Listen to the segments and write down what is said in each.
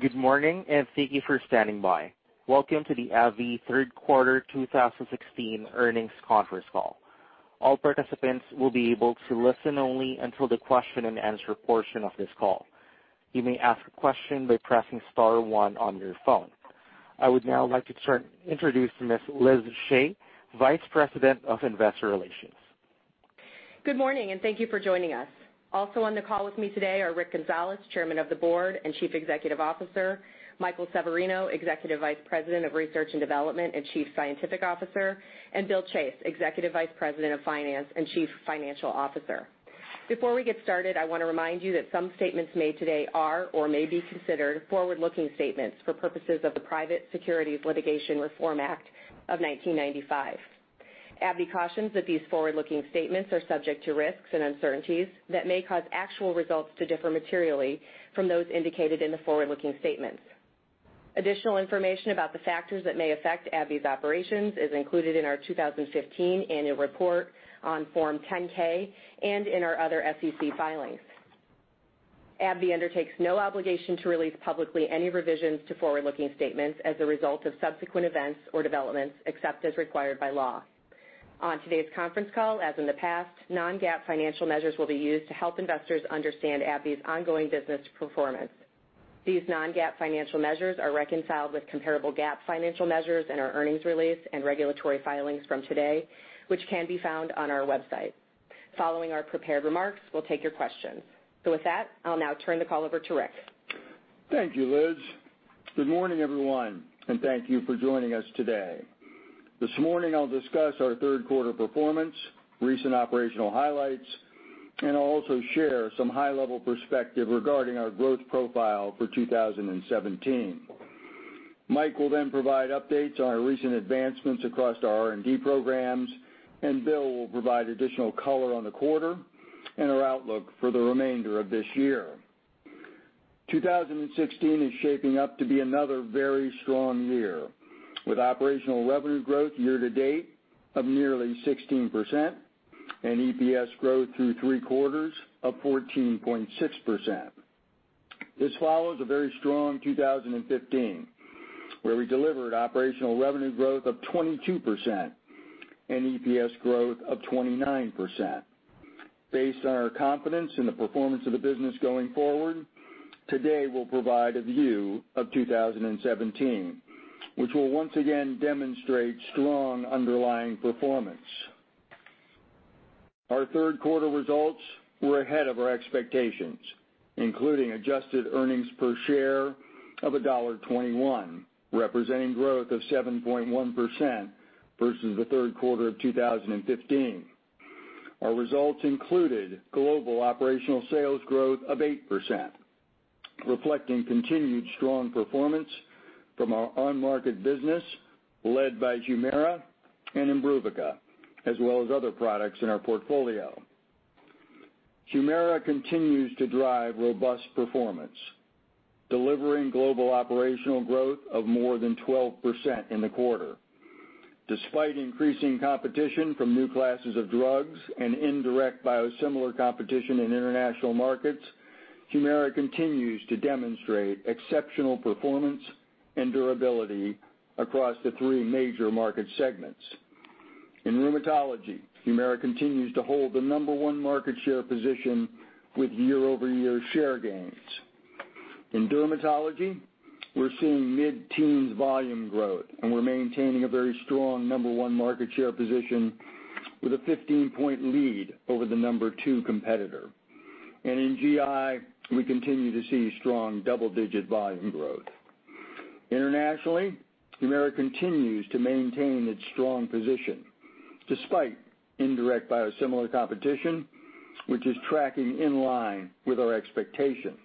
Good morning, thank you for standing by. Welcome to the AbbVie Third Quarter 2016 Earnings Conference Call. All participants will be able to listen only until the question and answer portion of this call. You may ask a question by pressing * one on your phone. I would now like to introduce Miss Liz Shea, Vice President of Investor Relations. Good morning, thank you for joining us. Also on the call with me today are Rick Gonzalez, Chairman of the Board and Chief Executive Officer, Michael Severino, Executive Vice President of Research and Development and Chief Scientific Officer, and Bill Chase, Executive Vice President of Finance and Chief Financial Officer. Before we get started, I want to remind you that some statements made today are or may be considered forward-looking statements for purposes of the Private Securities Litigation Reform Act of 1995. AbbVie cautions that these forward-looking statements are subject to risks and uncertainties that may cause actual results to differ materially from those indicated in the forward-looking statements. Additional information about the factors that may affect AbbVie's operations is included in our 2015 Annual Report on Form 10-K and in our other SEC filings. AbbVie undertakes no obligation to release publicly any revisions to forward-looking statements as a result of subsequent events or developments, except as required by law. On today's conference call, as in the past, non-GAAP financial measures will be used to help investors understand AbbVie's ongoing business performance. These non-GAAP financial measures are reconciled with comparable GAAP financial measures in our earnings release and regulatory filings from today, which can be found on our website. Following our prepared remarks, we'll take your questions. With that, I'll now turn the call over to Rick. Thank you, Liz. Good morning, everyone, thank you for joining us today. This morning, I'll discuss our third quarter performance, recent operational highlights, I'll also share some high-level perspective regarding our growth profile for 2017. Mike will provide updates on our recent advancements across our R&D programs, Bill will provide additional color on the quarter and our outlook for the remainder of this year. 2016 is shaping up to be another very strong year, with operational revenue growth year to date of nearly 16% and EPS growth through three quarters of 14.6%. This follows a very strong 2015, where we delivered operational revenue growth of 22% and EPS growth of 29%. Based on our confidence in the performance of the business going forward, today we'll provide a view of 2017, which will once again demonstrate strong underlying performance. Our third quarter results were ahead of our expectations, including adjusted earnings per share of $1.21, representing growth of 7.1% versus the third quarter of 2015. Our results included global operational sales growth of 8%, reflecting continued strong performance from our on-market business led by Humira and IMBRUVICA, as well as other products in our portfolio. Humira continues to drive robust performance, delivering global operational growth of more than 12% in the quarter. Despite increasing competition from new classes of drugs and indirect biosimilar competition in international markets, Humira continues to demonstrate exceptional performance and durability across the three major market segments. In rheumatology, Humira continues to hold the number one market share position with year-over-year share gains. In dermatology, we're seeing mid-teens volume growth, and we're maintaining a very strong number one market share position with a 15-point lead over the number two competitor. In GI, we continue to see strong double-digit volume growth. Internationally, Humira continues to maintain its strong position, despite indirect biosimilar competition, which is tracking in line with our expectations.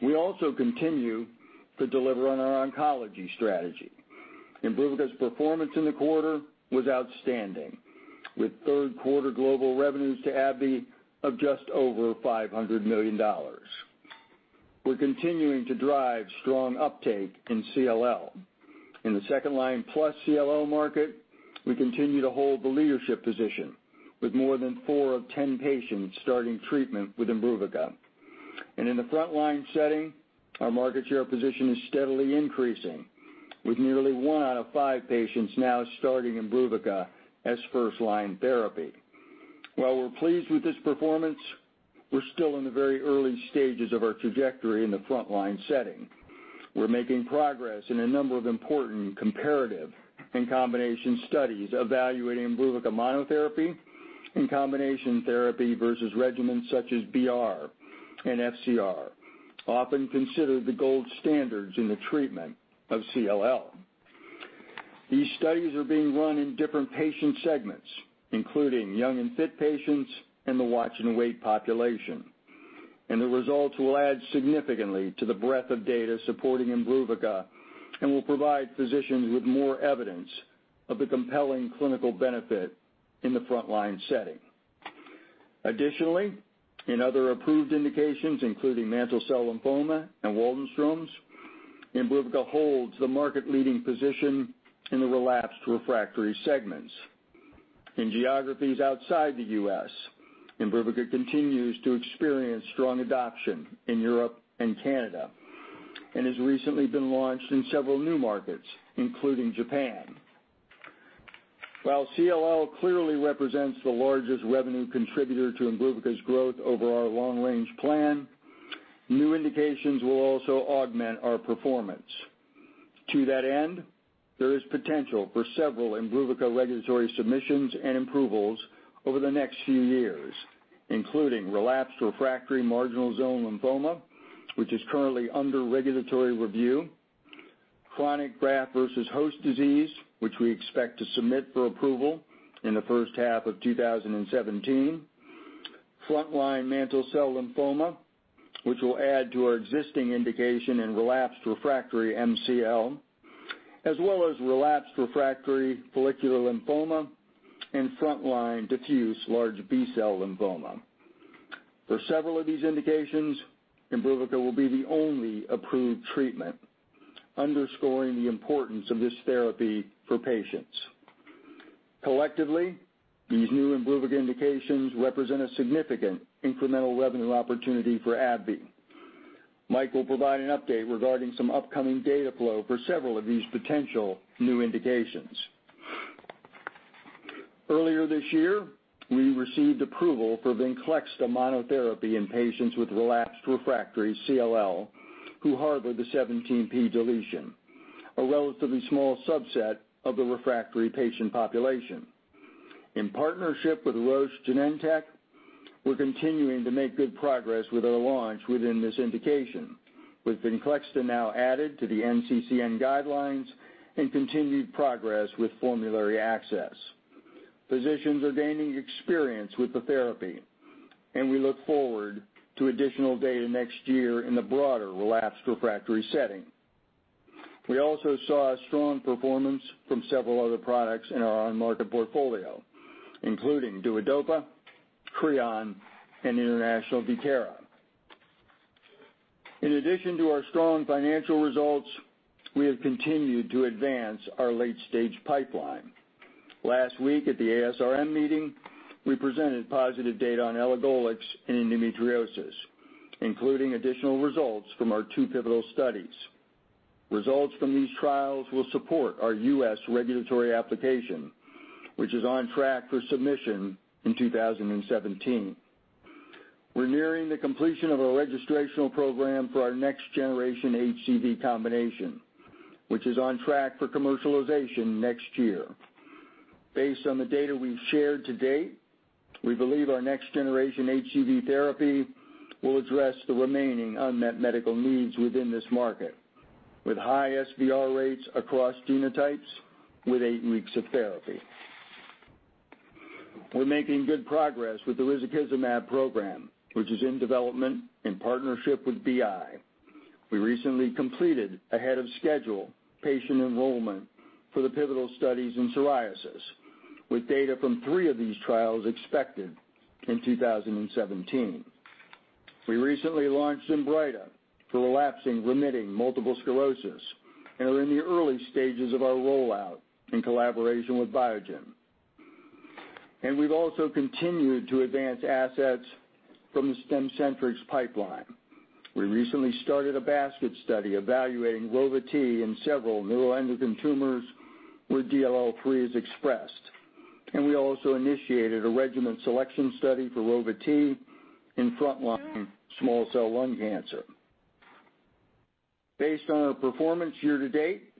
We also continue to deliver on our oncology strategy. IMBRUVICA's performance in the quarter was outstanding, with third-quarter global revenues to AbbVie of just over $500 million. We're continuing to drive strong uptake in CLL. In the second-line plus CLL market, we continue to hold the leadership position with more than four of 10 patients starting treatment with IMBRUVICA. In the front-line setting, our market share position is steadily increasing, with nearly one out of five patients now starting IMBRUVICA as first-line therapy. While we're pleased with this performance, we're still in the very early stages of our trajectory in the front-line setting. We're making progress in a number of important comparative and combination studies evaluating IMBRUVICA monotherapy and combination therapy versus regimens such as BR and FCR, often considered the gold standards in the treatment of CLL. These studies are being run in different patient segments, including young and fit patients and the watch-and-wait population. The results will add significantly to the breadth of data supporting IMBRUVICA and will provide physicians with more evidence of the compelling clinical benefit in the front-line setting. Additionally, in other approved indications, including mantle cell lymphoma and Waldenstrom's, IMBRUVICA holds the market-leading position in the relapsed/refractory segments. In geographies outside the U.S., IMBRUVICA continues to experience strong adoption in Europe and Canada, and has recently been launched in several new markets, including Japan. While CLL clearly represents the largest revenue contributor to IMBRUVICA's growth over our long-range plan, new indications will also augment our performance. To that end, there is potential for several IMBRUVICA regulatory submissions and approvals over the next few years, including relapsed/refractory marginal zone lymphoma, which is currently under regulatory review, chronic graft versus host disease, which we expect to submit for approval in the first half of 2017, frontline mantle cell lymphoma, which will add to our existing indication in relapsed/refractory MCL, as well as relapsed/refractory follicular lymphoma, and frontline diffuse large B-cell lymphoma. For several of these indications, IMBRUVICA will be the only approved treatment, underscoring the importance of this therapy for patients. Collectively, these new IMBRUVICA indications represent a significant incremental revenue opportunity for AbbVie. Mike will provide an update regarding some upcoming data flow for several of these potential new indications. Earlier this year, we received approval for Venclexta monotherapy in patients with relapsed/refractory CLL who harbor the 17p deletion, a relatively small subset of the refractory patient population. In partnership with Roche/Genentech, we're continuing to make good progress with our launch within this indication, with Venclexta now added to the NCCN guidelines and continued progress with formulary access. Physicians are gaining experience with the therapy, and we look forward to additional data next year in the broader relapsed/refractory setting. We also saw a strong performance from several other products in our own market portfolio, including Duodopa, CREON, and international Vitaros. In addition to our strong financial results, we have continued to advance our late-stage pipeline. Last week at the ASRM meeting, we presented positive data on elagolix in endometriosis, including additional results from our two pivotal studies. Results from these trials will support our U.S. regulatory application, which is on track for submission in 2017. We're nearing the completion of a registrational program for our next-generation HCV combination, which is on track for commercialization next year. Based on the data we've shared to date, we believe our next generation HCV therapy will address the remaining unmet medical needs within this market, with high SVR rates across genotypes with eight weeks of therapy. We're making good progress with the risankizumab program, which is in development in partnership with BI. We recently completed ahead of schedule patient enrollment for the pivotal studies in psoriasis, with data from three of these trials expected in 2017. We recently launched ZINBRYTA for relapsing remitting multiple sclerosis, and are in the early stages of our rollout in collaboration with Biogen. We've also continued to advance assets from the Stemcentrx pipeline. We recently started a basket study evaluating Rova-T in several neuroendocrine tumors where DLL3 is expressed, and we also initiated a regimen selection study for Rova-T in frontline small cell lung cancer. Based on our performance year to date,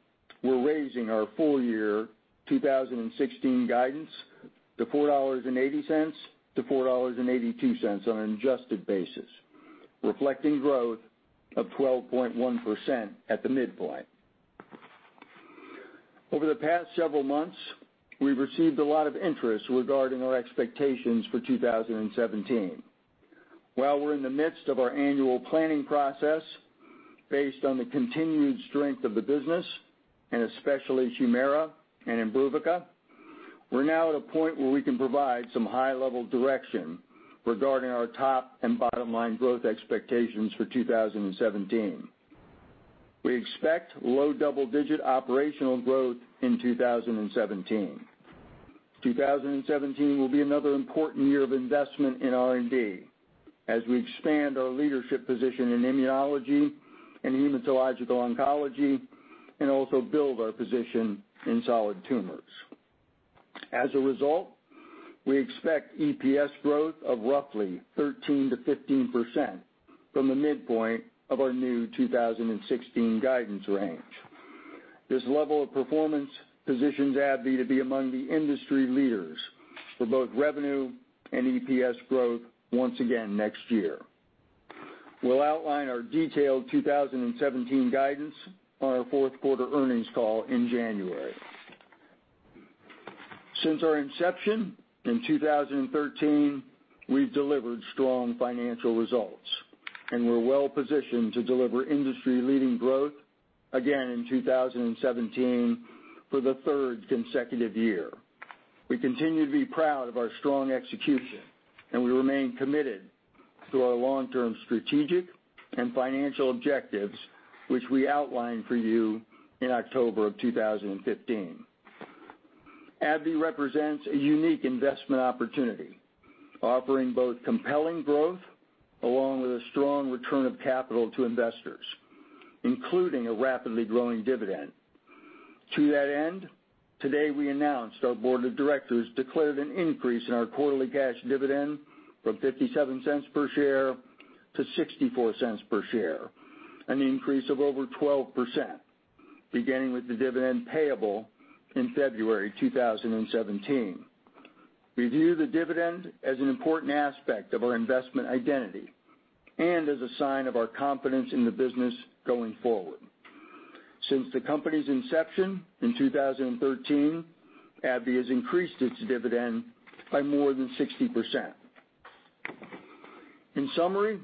we're raising our full year 2016 guidance to $4.80-$4.82 on an adjusted basis, reflecting growth of 12.1% at the midpoint. Over the past several months, we've received a lot of interest regarding our expectations for 2017. While we're in the midst of our annual planning process, based on the continued strength of the business, and especially HUMIRA and IMBRUVICA, we're now at a point where we can provide some high-level direction regarding our top and bottom line growth expectations for 2017. We expect low double-digit operational growth in 2017. 2017 will be another important year of investment in R&D as we expand our leadership position in immunology and hematological oncology and also build our position in solid tumors. As a result, we expect EPS growth of roughly 13%-15% from the midpoint of our new 2016 guidance range. This level of performance positions AbbVie to be among the industry leaders for both revenue and EPS growth once again next year. We'll outline our detailed 2017 guidance on our fourth quarter earnings call in January. Since our inception in 2013, we've delivered strong financial results, and we're well positioned to deliver industry-leading growth again in 2017 for the third consecutive year. We continue to be proud of our strong execution, and we remain committed to our long-term strategic and financial objectives, which we outlined for you in October 2015. AbbVie represents a unique investment opportunity offering both compelling growth along with a strong return of capital to investors, including a rapidly growing dividend. To that end, today we announced our board of directors declared an increase in our quarterly cash dividend from $0.57 per share to $0.64 per share, an increase of over 12%, beginning with the dividend payable in February 2017. We view the dividend as an important aspect of our investment identity and as a sign of our confidence in the business going forward. Since the company's inception in 2013, AbbVie has increased its dividend by more than 60%. In summary,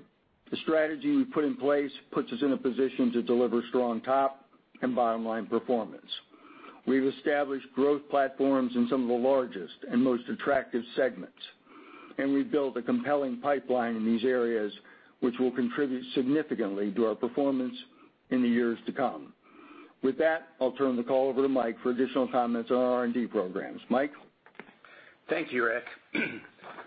the strategy we put in place puts us in a position to deliver strong top and bottom-line performance. We've established growth platforms in some of the largest and most attractive segments. We've built a compelling pipeline in these areas, which will contribute significantly to our performance in the years to come. With that, I'll turn the call over to Mike for additional comments on our R&D programs. Mike? Thank you, Rick.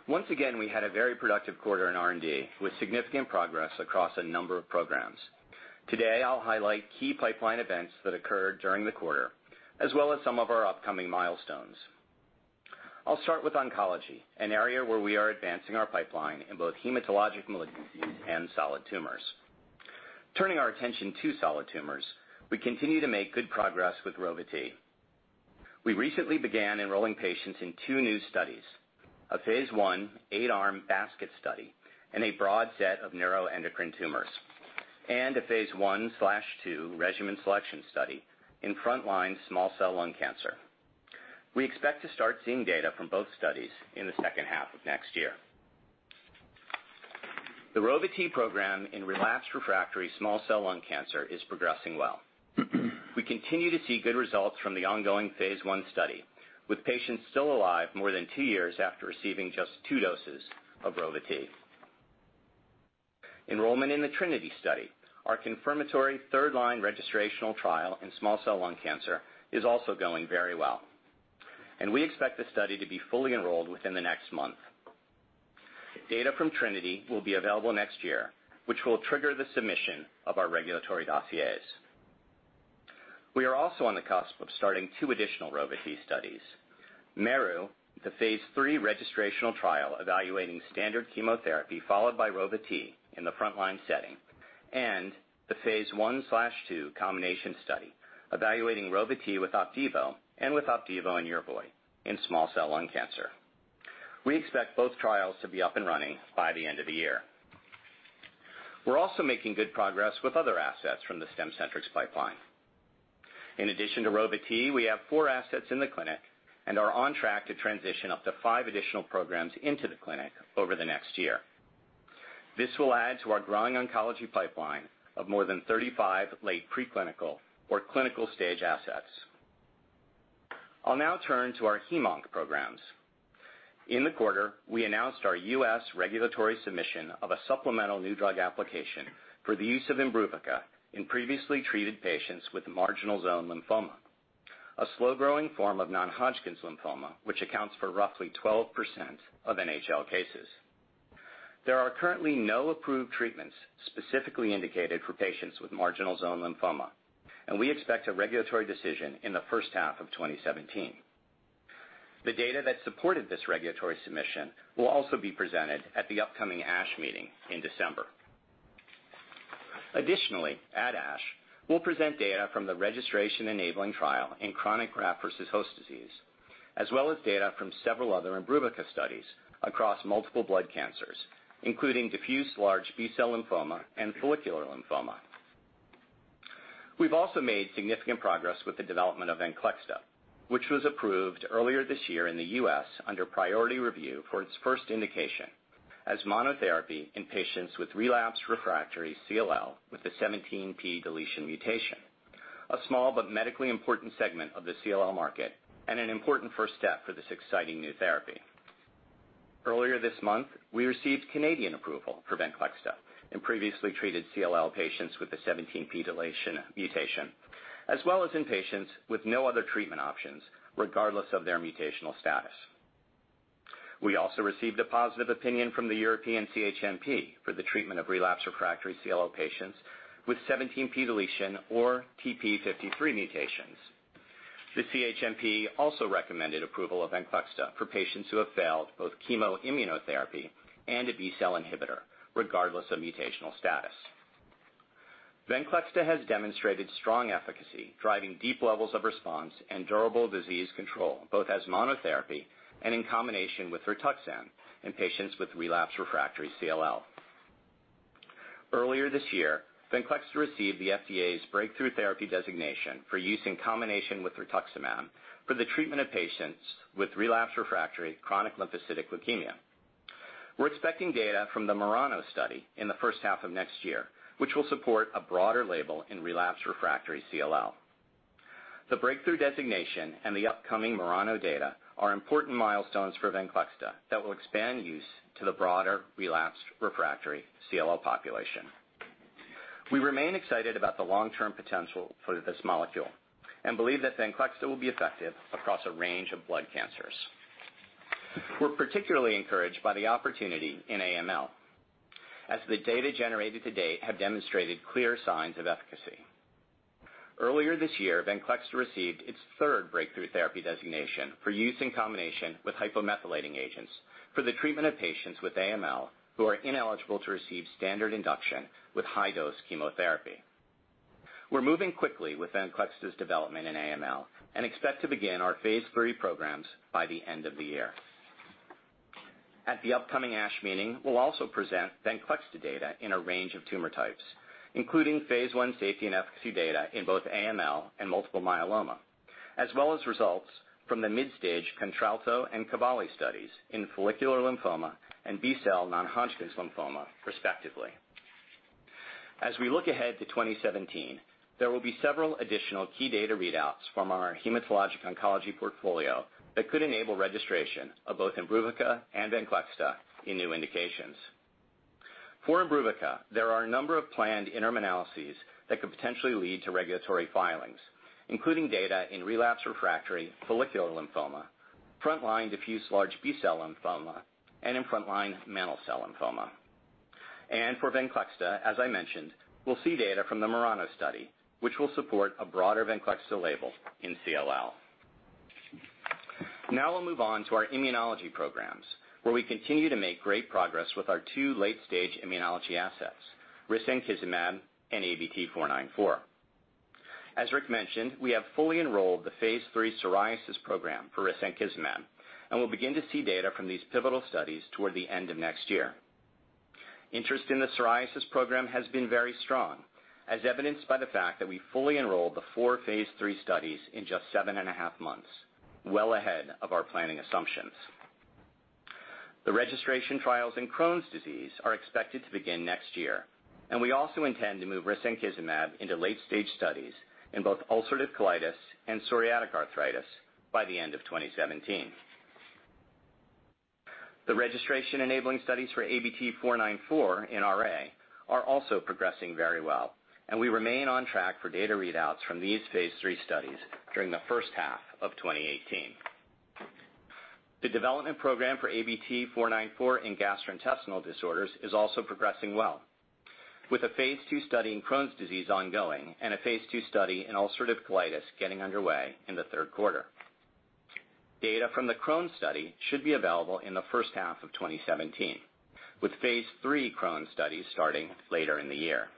Once again, we had a very productive quarter in R&D, with significant progress across a number of programs. Today, I'll highlight key pipeline events that occurred during the quarter, as well as some of our upcoming milestones. I'll start with oncology, an area where we are advancing our pipeline in both hematologic malignancies and solid tumors. Turning our attention to solid tumors, we continue to make good progress with Rova-T. We recently began enrolling patients in two new studies, a phase I eight-arm basket study in a broad set of neuroendocrine tumors, and a phase I/II regimen selection study in frontline small cell lung cancer. We expect to start seeing data from both studies in the second half of next year. The Rova-T program in relapsed refractory small cell lung cancer is progressing well. We continue to see good results from the ongoing phase I study, with patients still alive more than two years after receiving just two doses of Rova-T. Enrollment in the TRINITY study, our confirmatory third-line registrational trial in small cell lung cancer, is also going very well, and we expect the study to be fully enrolled within the next month. Data from TRINITY will be available next year, which will trigger the submission of our regulatory dossiers. We are also on the cusp of starting two additional Rova-T studies. MERU, the phase III registrational trial evaluating standard chemotherapy followed by Rova-T in the frontline setting, and the phase I/II combination study evaluating Rova-T with Opdivo and with Opdivo and YERVOY in small cell lung cancer. We expect both trials to be up and running by the end of the year. We're also making good progress with other assets from the Stemcentrx pipeline. In addition to Rova-T, we have four assets in the clinic and are on track to transition up to five additional programs into the clinic over the next year. This will add to our growing oncology pipeline of more than 35 late preclinical or clinical stage assets. I'll now turn to our hemonc programs. In the quarter, we announced our U.S. regulatory submission of a supplemental new drug application for the use of IMBRUVICA in previously treated patients with marginal zone lymphoma, a slow-growing form of non-Hodgkin's lymphoma, which accounts for roughly 12% of NHL cases. There are currently no approved treatments specifically indicated for patients with marginal zone lymphoma, and we expect a regulatory decision in the first half of 2017. The data that supported this regulatory submission will also be presented at the upcoming ASH Meeting in December. Additionally, at ASH, we'll present data from the registration-enabling trial in chronic graft versus host disease, as well as data from several other IMBRUVICA studies across multiple blood cancers, including diffuse large B-cell lymphoma and follicular lymphoma. We've also made significant progress with the development of Venclexta, which was approved earlier this year in the U.S. under priority review for its first indication as monotherapy in patients with relapsed refractory CLL with a 17p deletion mutation. A small but medically important segment of the CLL market and an important first step for this exciting new therapy. Earlier this month, we received Canadian approval for Venclexta in previously treated CLL patients with a 17p deletion mutation, as well as in patients with no other treatment options, regardless of their mutational status. We also received a positive opinion from the European CHMP for the treatment of relapsed refractory CLL patients with 17p deletion or TP53 mutations. The CHMP also recommended approval of Venclexta for patients who have failed both chemoimmunotherapy and a B-cell inhibitor, regardless of mutational status. Venclexta has demonstrated strong efficacy, driving deep levels of response and durable disease control, both as monotherapy and in combination with Rituxan in patients with relapsed refractory CLL. Earlier this year, Venclexta received the FDA's breakthrough therapy designation for use in combination with rituximab for the treatment of patients with relapsed refractory chronic lymphocytic leukemia. We're expecting data from the MURANO study in the first half of next year, which will support a broader label in relapsed refractory CLL. The breakthrough designation and the upcoming MURANO data are important milestones for Venclexta that will expand use to the broader relapsed refractory CLL population. We remain excited about the long-term potential for this molecule and believe that Venclexta will be effective across a range of blood cancers. We're particularly encouraged by the opportunity in AML, as the data generated to date have demonstrated clear signs of efficacy. Earlier this year, Venclexta received its third breakthrough therapy designation for use in combination with hypomethylating agents for the treatment of patients with AML who are ineligible to receive standard induction with high-dose chemotherapy. We're moving quickly with Venclexta's development in AML and expect to begin our phase III programs by the end of the year. At the upcoming ASH meeting, we'll also present Venclexta data in a range of tumor types, including phase I safety and efficacy data in both AML and multiple myeloma, as well as results from the mid-stage CONTRALTO and CAVALLI studies in follicular lymphoma and B-cell non-Hodgkin's lymphoma respectively. As we look ahead to 2017, there will be several additional key data readouts from our hematologic oncology portfolio that could enable registration of both IMBRUVICA and Venclexta in new indications. For IMBRUVICA, there are a number of planned interim analyses that could potentially lead to regulatory filings, including data in relapse refractory follicular lymphoma, frontline diffuse large B-cell lymphoma, and in frontline mantle cell lymphoma. For Venclexta, as I mentioned, we'll see data from the MURANO study, which will support a broader Venclexta label in CLL. We'll move on to our immunology programs, where we continue to make great progress with our two late-stage immunology assets, risankizumab and ABT-494. As Rick mentioned, we have fully enrolled the phase III psoriasis program for risankizumab, and we'll begin to see data from these pivotal studies toward the end of next year. Interest in the psoriasis program has been very strong, as evidenced by the fact that we fully enrolled the four phase III studies in just seven and a half months, well ahead of our planning assumptions. The registration trials in Crohn's disease are expected to begin next year, and we also intend to move risankizumab into late-stage studies in both ulcerative colitis and psoriatic arthritis by the end of 2017. The registration enabling studies for ABT-494 in RA are also progressing very well, and we remain on track for data readouts from these phase III studies during the first half of 2018. The development program for ABT-494 in gastrointestinal disorders is also progressing well, with a phase II study in Crohn's disease ongoing and a phase II study in ulcerative colitis getting underway in the third quarter. Data from the Crohn's study should be available in the first half of 2017, with phase III Crohn's studies starting later in the year.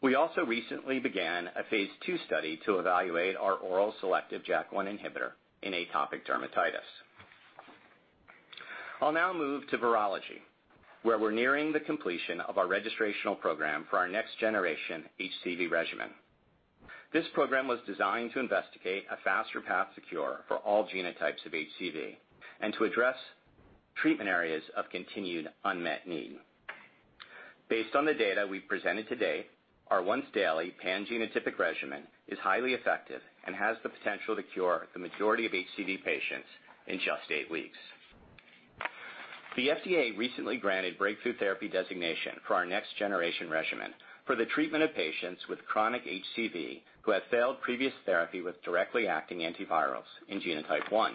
We also recently began a phase II study to evaluate our oral selective JAK1 inhibitor in atopic dermatitis. I'll now move to virology, where we're nearing the completion of our registrational program for our next-generation HCV regimen. This program was designed to investigate a faster path to cure for all genotypes of HCV and to address treatment areas of continued unmet need. Based on the data we presented today, our once daily pan-genotypic regimen is highly effective and has the potential to cure the majority of HCV patients in just eight weeks. The FDA recently granted breakthrough therapy designation for our next-generation regimen for the treatment of patients with chronic HCV who have failed previous therapy with directly acting antivirals in genotype 1.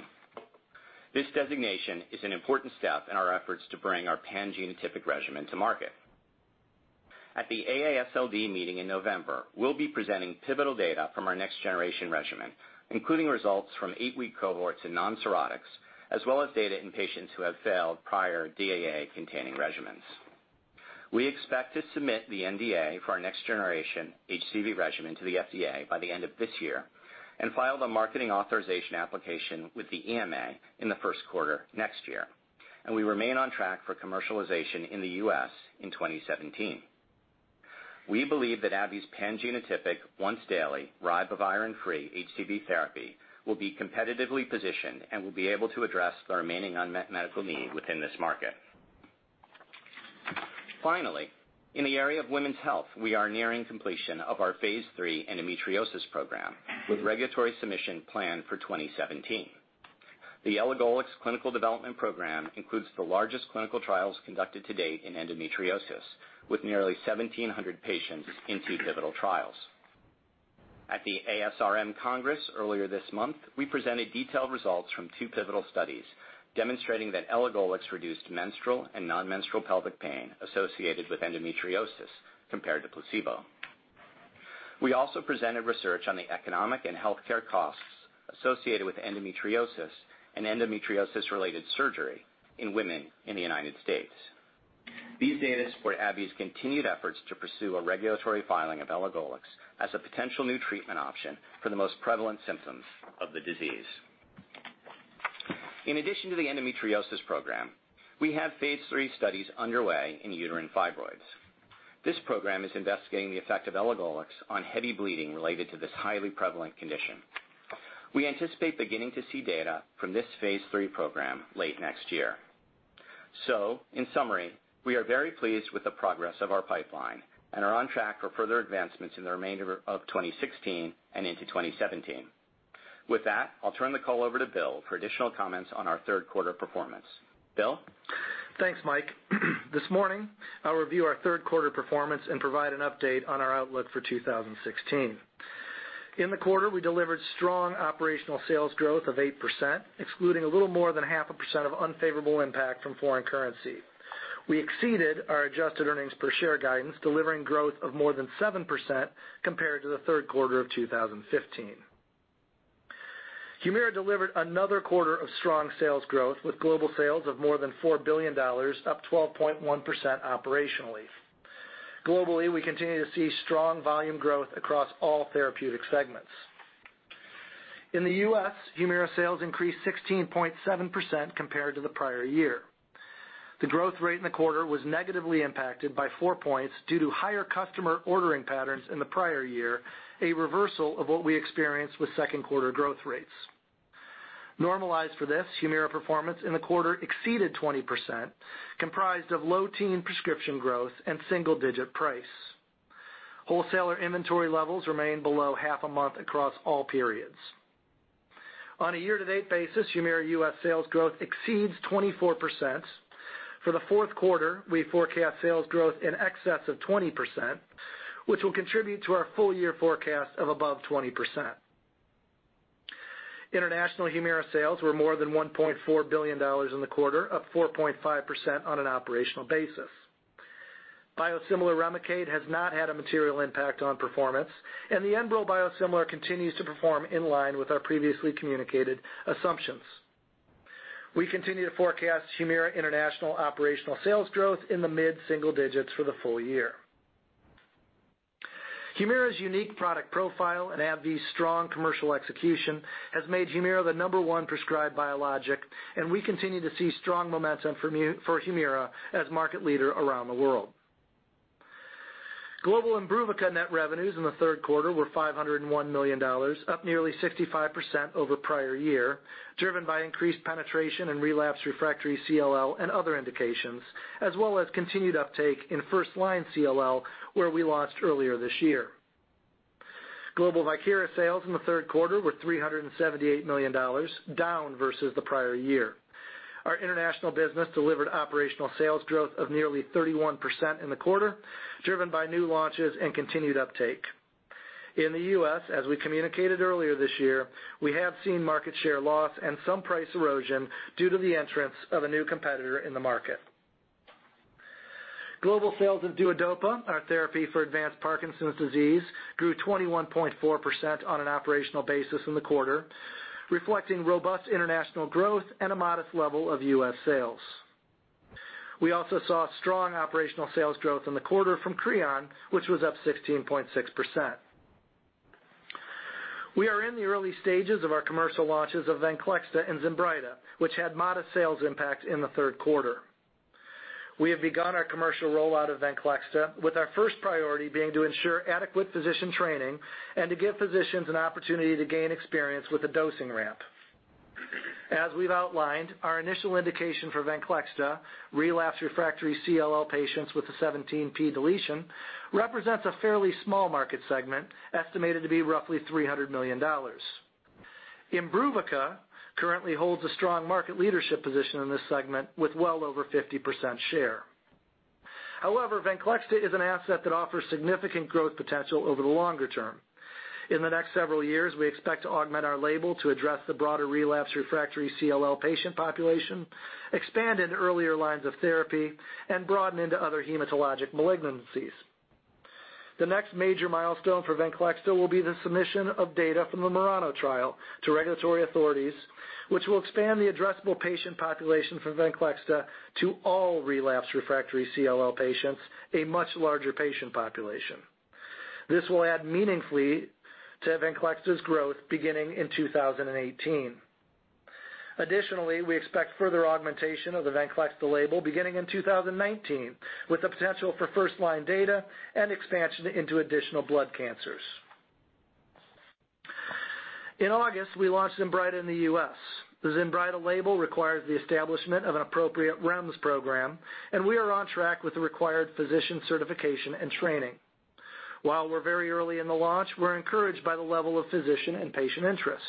This designation is an important step in our efforts to bring our pan-genotypic regimen to market. At the AASLD meeting in November, we'll be presenting pivotal data from our next-generation regimen, including results from eight-week cohorts in non-cirrhotics, as well as data in patients who have failed prior DAA-containing regimens. We expect to submit the NDA for our next-generation HCV regimen to the FDA by the end of this year, and file the marketing authorization application with the EMA in the first quarter next year. We remain on track for commercialization in the U.S. in 2017. We believe that AbbVie's pan-genotypic once daily ribavirin-free HCV therapy will be competitively positioned and will be able to address the remaining unmet medical need within this market. Finally, in the area of women's health, we are nearing completion of our phase III endometriosis program with regulatory submission planned for 2017. The elagolix clinical development program includes the largest clinical trials conducted to date in endometriosis, with nearly 1,700 patients in two pivotal trials. At the ASRM Congress earlier this month, we presented detailed results from two pivotal studies demonstrating that elagolix reduced menstrual and non-menstrual pelvic pain associated with endometriosis compared to placebo. We also presented research on the economic and healthcare costs associated with endometriosis and endometriosis-related surgery in women in the U.S. These data support AbbVie's continued efforts to pursue a regulatory filing of elagolix as a potential new treatment option for the most prevalent symptoms of the disease. In addition to the endometriosis program, we have phase III studies underway in uterine fibroids. This program is investigating the effect of elagolix on heavy bleeding related to this highly prevalent condition. We anticipate beginning to see data from this phase III program late next year. In summary, we are very pleased with the progress of our pipeline and are on track for further advancements in the remainder of 2016 and into 2017. With that, I'll turn the call over to Bill for additional comments on our third quarter performance. Bill? Thanks, Mike. This morning, I'll review our third quarter performance and provide an update on our outlook for 2016. In the quarter, we delivered strong operational sales growth of 8%, excluding a little more than half a percent of unfavorable impact from foreign currency. We exceeded our adjusted earnings per share guidance, delivering growth of more than 7% compared to the third quarter of 2015. Humira delivered another quarter of strong sales growth with global sales of more than $4 billion, up 12.1% operationally. Globally, we continue to see strong volume growth across all therapeutic segments. In the U.S., Humira sales increased 16.7% compared to the prior year. The growth rate in the quarter was negatively impacted by four points due to higher customer ordering patterns in the prior year, a reversal of what we experienced with second quarter growth rates. Normalized for this, Humira performance in the quarter exceeded 20%, comprised of low teen prescription growth and single-digit price. Wholesaler inventory levels remain below half a month across all periods. On a year-to-date basis, Humira U.S. sales growth exceeds 24%. For the fourth quarter, we forecast sales growth in excess of 20%, which will contribute to our full year forecast of above 20%. International Humira sales were more than $1.4 billion in the quarter, up 4.5% on an operational basis. Biosimilar Remicade has not had a material impact on performance, and the Enbrel biosimilar continues to perform in line with our previously communicated assumptions. We continue to forecast Humira international operational sales growth in the mid-single digits for the full year. Humira's unique product profile and AbbVie's strong commercial execution has made Humira the number one prescribed biologic, and we continue to see strong momentum for Humira as market leader around the world. Global IMBRUVICA net revenues in the third quarter were $501 million, up nearly 65% over prior year, driven by increased penetration in relapsed refractory CLL and other indications, as well as continued uptake in first-line CLL, where we launched earlier this year. Global Viekira Pak sales in the third quarter were $378 million, down versus the prior year. Our international business delivered operational sales growth of nearly 31% in the quarter, driven by new launches and continued uptake. In the U.S., as we communicated earlier this year, we have seen market share loss and some price erosion due to the entrance of a new competitor in the market. Global sales of Duodopa, our therapy for advanced Parkinson's disease, grew 21.4% on an operational basis in the quarter, reflecting robust international growth and a modest level of U.S. sales. We also saw strong operational sales growth in the quarter from CREON, which was up 16.6%. We are in the early stages of our commercial launches of Venclexta and ZINBRYTA, which had modest sales impact in the third quarter. We have begun our commercial rollout of Venclexta, with our first priority being to ensure adequate physician training and to give physicians an opportunity to gain experience with the dosing ramp. As we've outlined, our initial indication for Venclexta, relapsed refractory CLL patients with a 17p deletion, represents a fairly small market segment, estimated to be roughly $300 million. IMBRUVICA currently holds a strong market leadership position in this segment with well over 50% share. However, Venclexta is an asset that offers significant growth potential over the longer term. In the next several years, we expect to augment our label to address the broader relapsed refractory CLL patient population, expand into earlier lines of therapy, and broaden into other hematologic malignancies. The next major milestone for Venclexta will be the submission of data from the MURANO trial to regulatory authorities, which will expand the addressable patient population for Venclexta to all relapsed refractory CLL patients, a much larger patient population. This will add meaningfully to Venclexta's growth beginning in 2018. Additionally, we expect further augmentation of the Venclexta label beginning in 2019, with the potential for first-line data and expansion into additional blood cancers. In August, we launched ZINBRYTA in the U.S. The ZINBRYTA label requires the establishment of an appropriate REMS program, and we are on track with the required physician certification and training. While we're very early in the launch, we're encouraged by the level of physician and patient interest.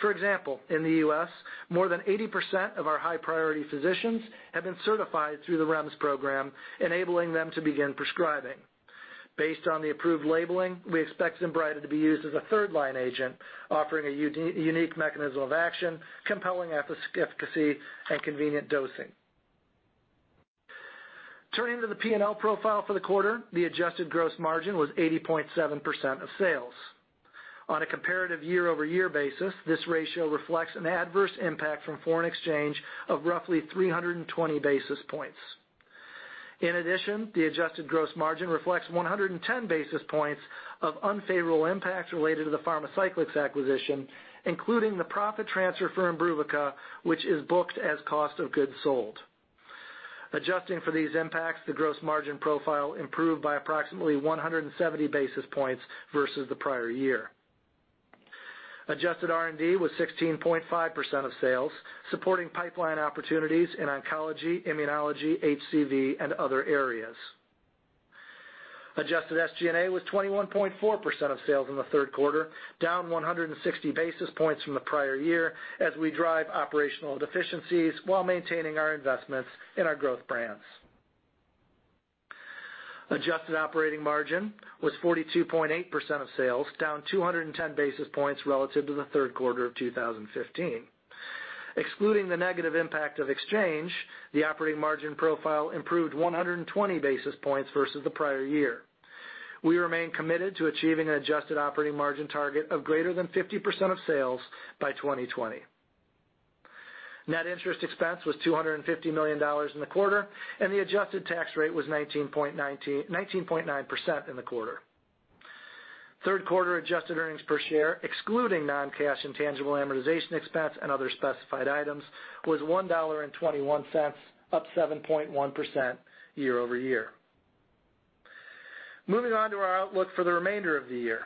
For example, in the U.S., more than 80% of our high-priority physicians have been certified through the REMS program, enabling them to begin prescribing. Based on the approved labeling, we expect ZINBRYTA to be used as a third-line agent, offering a unique mechanism of action, compelling efficacy, and convenient dosing. Turning to the P&L profile for the quarter, the adjusted gross margin was 80.7% of sales. On a comparative year-over-year basis, this ratio reflects an adverse impact from foreign exchange of roughly 320 basis points. In addition, the adjusted gross margin reflects 110 basis points of unfavorable impacts related to the Pharmacyclics acquisition, including the profit transfer for IMBRUVICA, which is booked as cost of goods sold. Adjusting for these impacts, the gross margin profile improved by approximately 170 basis points versus the prior year. Adjusted R&D was 16.5% of sales, supporting pipeline opportunities in oncology, immunology, HCV, and other areas. Adjusted SG&A was 21.4% of sales in the third quarter, down 160 basis points from the prior year as we drive operational deficiencies while maintaining our investments in our growth brands. Adjusted operating margin was 42.8% of sales, down 210 basis points relative to the third quarter of 2015. Excluding the negative impact of exchange, the operating margin profile improved 120 basis points versus the prior year. We remain committed to achieving an adjusted operating margin target of greater than 50% of sales by 2020. Net interest expense was $250 million in the quarter, and the adjusted tax rate was 19.9% in the quarter. Third quarter adjusted earnings per share, excluding non-cash intangible amortization expense and other specified items, was $1.21, up 7.1% year-over-year. Moving on to our outlook for the remainder of the year.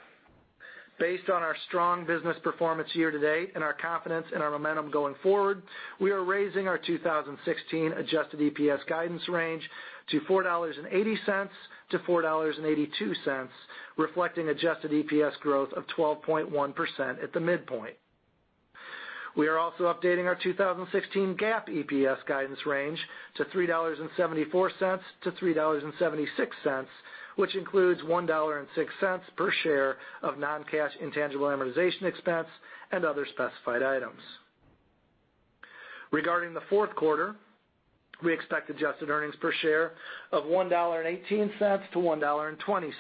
Based on our strong business performance year to date and our confidence in our momentum going forward, we are raising our 2016 adjusted EPS guidance range to $4.80-$4.82, reflecting adjusted EPS growth of 12.1% at the midpoint. We are also updating our 2016 GAAP EPS guidance range to $3.74-$3.76, which includes $1.06 per share of non-cash intangible amortization expense and other specified items. Regarding the fourth quarter, we expect adjusted earnings per share of $1.18-$1.20.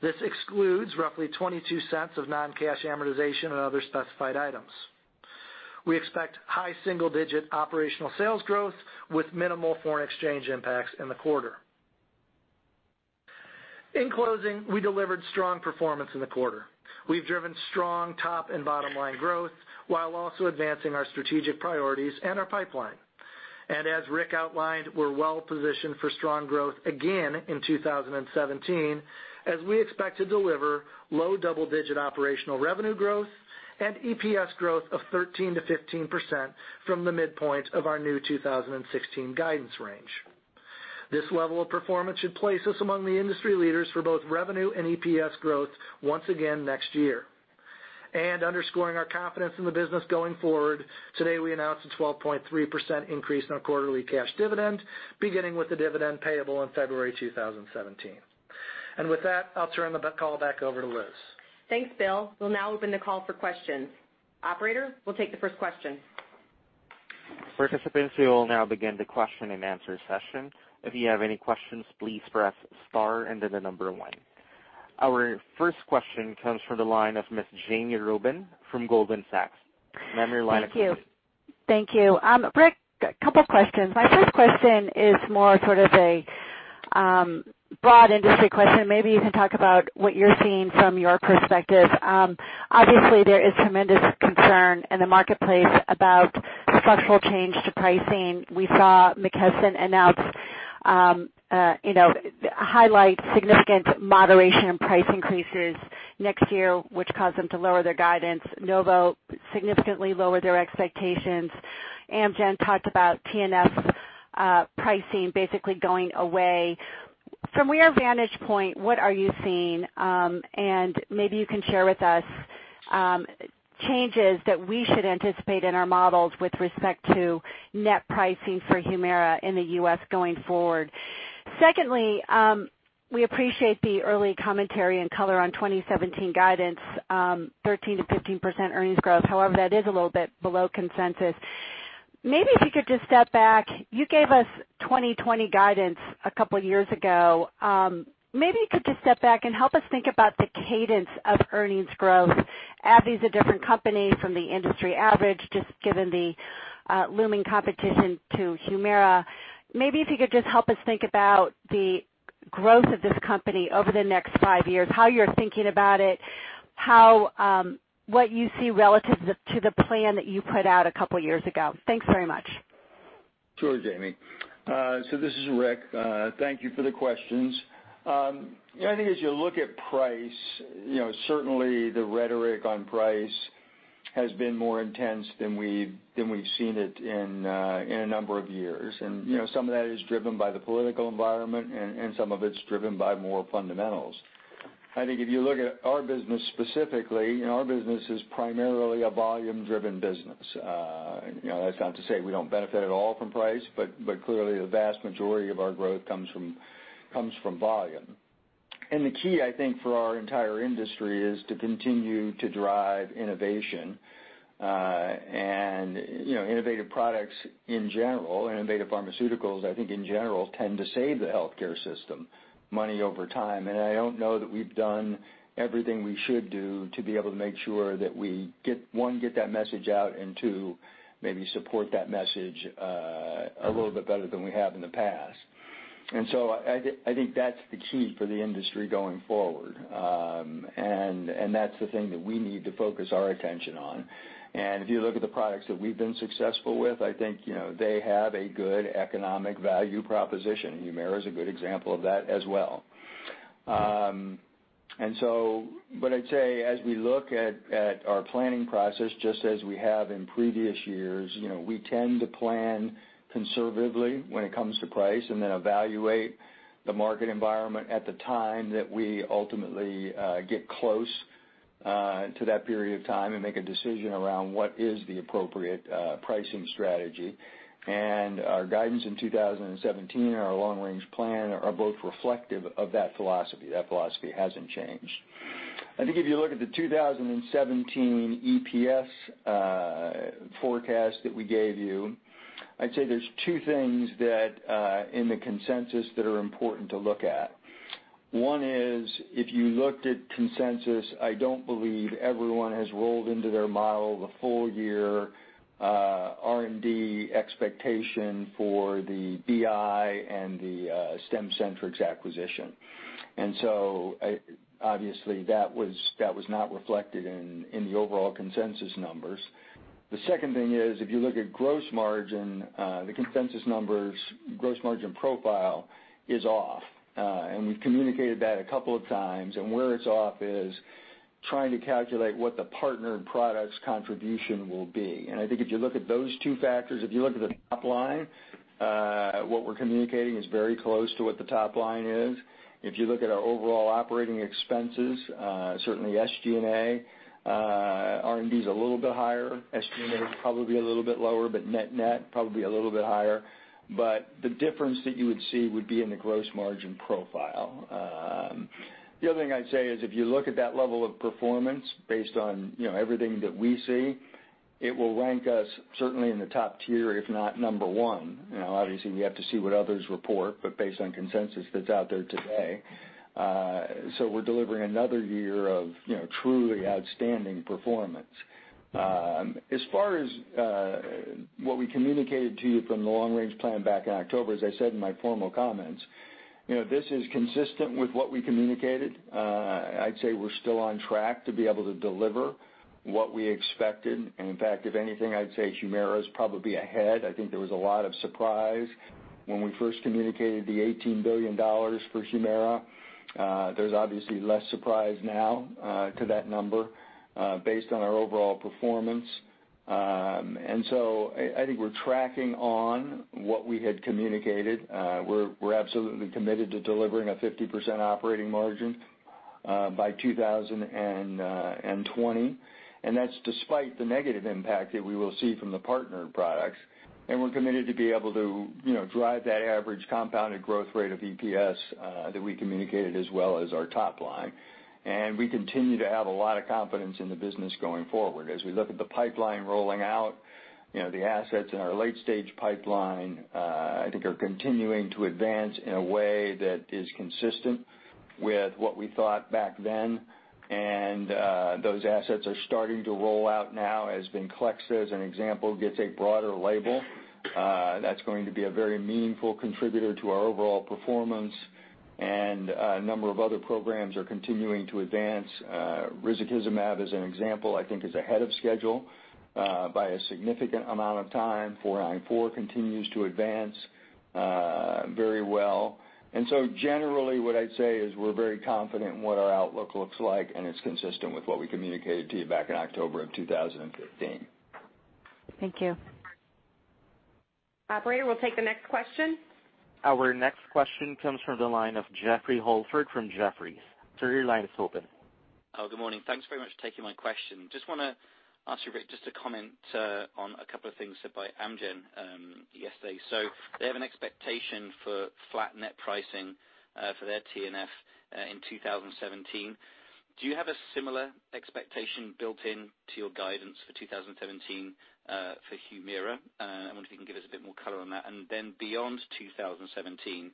This excludes roughly $0.22 of non-cash amortization and other specified items. We expect high single-digit operational sales growth with minimal foreign exchange impacts in the quarter. In closing, we delivered strong performance in the quarter. We've driven strong top and bottom line growth while also advancing our strategic priorities and our pipeline. As Rick outlined, we're well positioned for strong growth again in 2017, as we expect to deliver low double-digit operational revenue growth and EPS growth of 13%-15% from the midpoint of our new 2016 guidance range. This level of performance should place us among the industry leaders for both revenue and EPS growth once again next year. Underscoring our confidence in the business going forward, today, we announced a 12.3% increase in our quarterly cash dividend, beginning with the dividend payable in February 2017. With that, I'll turn the call back over to Liz. Thanks, Bill. We'll now open the call for questions. Operator, we'll take the first question. Participants, we will now begin the question and answer session. If you have any questions, please press star and then the number 1. Our first question comes from the line of Ms. Jami Rubin from Goldman Sachs. Ma'am, your line is open. Thank you. Rick, a couple questions. My first question is more sort of a broad industry question. Maybe you can talk about what you're seeing from your perspective. Obviously, there is tremendous concern in the marketplace about structural change to pricing. We saw McKesson announce, highlight significant moderation in price increases next year, which caused them to lower their guidance. Novo significantly lowered their expectations. Amgen talked about TNF pricing basically going away. From your vantage point, what are you seeing? Maybe you can share with us changes that we should anticipate in our models with respect to net pricing for Humira in the U.S. going forward. Secondly, we appreciate the early commentary and color on 2017 guidance, 13%-15% earnings growth. However, that is a little bit below consensus. Maybe if you could just step back, you gave us 2020 guidance a couple years ago. Maybe you could just step back and help us think about the cadence of earnings growth. AbbVie's a different company from the industry average, just given the looming competition to Humira. Maybe if you could just help us think about the growth of this company over the next five years, how you're thinking about it, what you see relative to the plan that you put out a couple years ago. Thanks very much. Sure, Jami. This is Rick. Thank you for the questions. I think as you look at price, certainly the rhetoric on price has been more intense than we've seen it in a number of years. Some of that is driven by the political environment, and some of it's driven by more fundamentals. I think if you look at our business specifically, our business is primarily a volume-driven business. That's not to say we don't benefit at all from price, but clearly the vast majority of our growth comes from volume. The key, I think, for our entire industry is to continue to drive innovation. Innovative products in general, innovative pharmaceuticals, I think in general, tend to save the healthcare system money over time. I don't know that we've done everything we should do to be able to make sure that we, one, get that message out, and two, maybe support that message a little bit better than we have in the past. I think that's the key for the industry going forward. That's the thing that we need to focus our attention on. If you look at the products that we've been successful with, I think, they have a good economic value proposition. HUMIRA's a good example of that as well. I'd say as we look at our planning process, just as we have in previous years, we tend to plan conservatively when it comes to price, then evaluate the market environment at the time that we ultimately get close to that period of time and make a decision around what is the appropriate pricing strategy. Our guidance in 2017 and our long-range plan are both reflective of that philosophy. That philosophy hasn't changed. I think if you look at the 2017 EPS forecast that we gave you, I'd say there's two things in the consensus that are important to look at. One is, if you looked at consensus, I don't believe everyone has rolled into their model the full year R&D expectation for the BI and the Stemcentrx acquisition. Obviously, that was not reflected in the overall consensus numbers. The second thing is, if you look at gross margin, the consensus numbers gross margin profile is off. We've communicated that a couple of times, and where it's off is trying to calculate what the partnered products' contribution will be. I think if you look at those two factors, if you look at the top line, what we're communicating is very close to what the top line is. If you look at our overall operating expenses, certainly SG&A, R&D's a little bit higher, SG&A is probably a little bit lower, but net probably a little bit higher. The difference that you would see would be in the gross margin profile. The other thing I'd say is, if you look at that level of performance based on everything that we see, it will rank us certainly in the top tier, if not number one. Obviously, we have to see what others report, but based on consensus that's out there today. We're delivering another year of truly outstanding performance. As far as what we communicated to you from the long-range plan back in October, as I said in my formal comments, this is consistent with what we communicated. I'd say we're still on track to be able to deliver what we expected. In fact, if anything, I'd say HUMIRA's probably ahead. I think there was a lot of surprise when we first communicated the $18 billion for HUMIRA. There's obviously less surprise now to that number based on our overall performance. I think we're tracking on what we had communicated. We're absolutely committed to delivering a 50% operating margin by 2020. That's despite the negative impact that we will see from the partnered products. We're committed to be able to drive that average compounded growth rate of EPS that we communicated as well as our top line. We continue to have a lot of confidence in the business going forward. As we look at the pipeline rolling out, the assets in our late-stage pipeline are continuing to advance in a way that is consistent with what we thought back then. Those assets are starting to roll out now as VENCLEXTA, as an example, gets a broader label. That's going to be a very meaningful contributor to our overall performance. A number of other programs are continuing to advance. risankizumab, as an example, I think is ahead of schedule by a significant amount of time. 494 continues to advance very well. Generally, what I'd say is we're very confident in what our outlook looks like, and it's consistent with what we communicated to you back in October of 2015. Thank you. Operator, we'll take the next question. Our next question comes from the line of Jeffrey Holford from Jefferies. Sir, your line is open. Oh, good morning. Thanks very much for taking my question. Just want to ask you, Rick, just to comment on a couple of things said by Amgen yesterday. They have an expectation for flat net pricing for their TNF in 2017. Do you have a similar expectation built in to your guidance for 2017 for Humira? I wonder if you can give us a bit more color on that. Beyond 2017,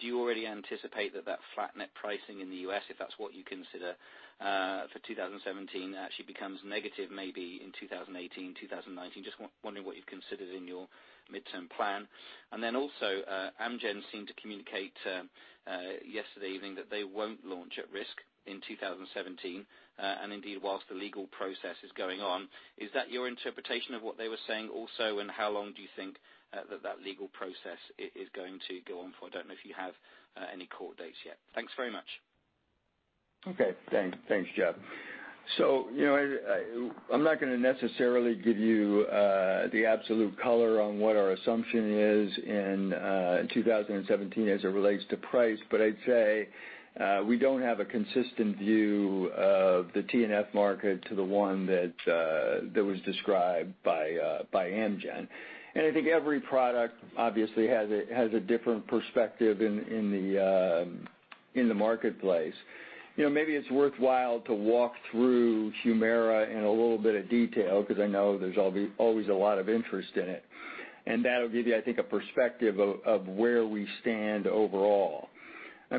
do you already anticipate that flat net pricing in the U.S., if that's what you consider for 2017, actually becomes negative maybe in 2018, 2019? Just wondering what you've considered in your midterm plan. Amgen seemed to communicate yesterday evening that they won't launch at risk in 2017, and indeed, whilst the legal process is going on. Is that your interpretation of what they were saying also? How long do you think that legal process is going to go on for? I don't know if you have any court dates yet. Thanks very much. Okay. Thanks, Jeff. I'm not going to necessarily give you the absolute color on what our assumption is in 2017 as it relates to price, but I'd say we don't have a consistent view of the TNF market to the one that was described by Amgen. I think every product obviously has a different perspective in the marketplace. Maybe it's worthwhile to walk through Humira in a little bit of detail, because I know there's always a lot of interest in it. That'll give you, I think, a perspective of where we stand overall.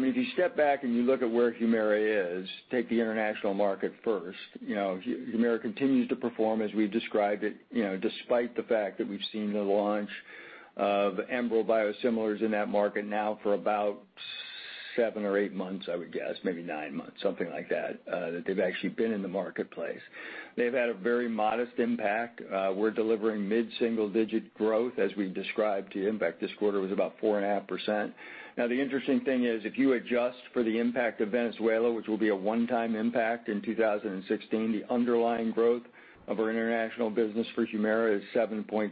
If you step back and you look at where Humira is, take the international market first. Humira continues to perform as we've described it, despite the fact that we've seen the launch of Amgen biosimilars in that market now for about seven or eight months, I would guess maybe nine months, something like that they've actually been in the marketplace. They've had a very modest impact. We're delivering mid-single digit growth, as we've described to you. In fact, this quarter was about 4.5%. The interesting thing is, if you adjust for the impact of Venezuela, which will be a one-time impact in 2016, the underlying growth of our international business for Humira is 7.6%.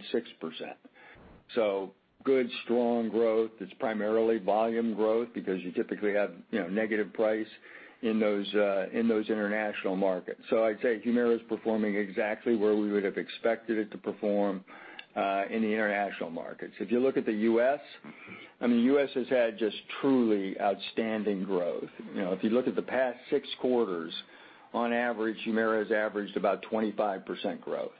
Good, strong growth. It's primarily volume growth because you typically have negative price in those international markets. I'd say Humira is performing exactly where we would have expected it to perform in the international markets. If you look at the U.S., the U.S. has had just truly outstanding growth. If you look at the past six quarters, on average, Humira has averaged about 25% growth.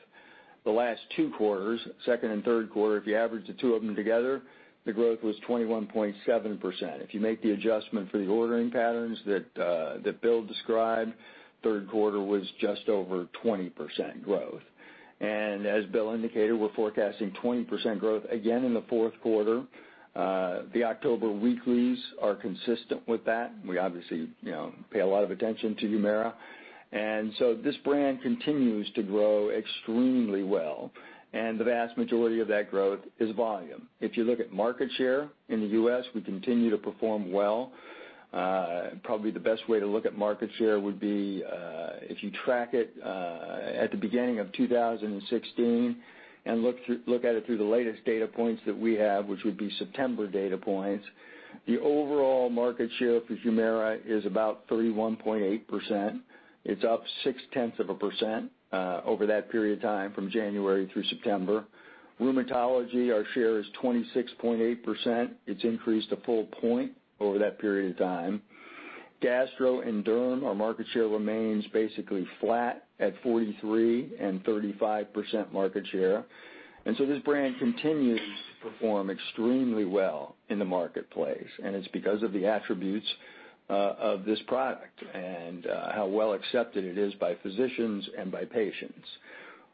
The last two quarters, second and third quarter, if you average the two of them together, the growth was 21.7%. If you make the adjustment for the ordering patterns that Bill described, third quarter was just over 20% growth. As Bill indicated, we're forecasting 20% growth again in the fourth quarter. The October weeklies are consistent with that. We obviously pay a lot of attention to Humira, this brand continues to grow extremely well, and the vast majority of that growth is volume. If you look at market share in the U.S., we continue to perform well. Probably the best way to look at market share would be, if you track it at the beginning of 2016 and look at it through the latest data points that we have, which would be September data points, the overall market share for Humira is about 31.8%. It's up six-tenths of a percent over that period of time from January through September. Rheumatology, our share is 26.8%. It's increased a full point over that period of time. Gastro and derm, our market share remains basically flat at 43% and 35% market share. This brand continues to perform extremely well in the marketplace, and it's because of the attributes of this product and how well accepted it is by physicians and by patients.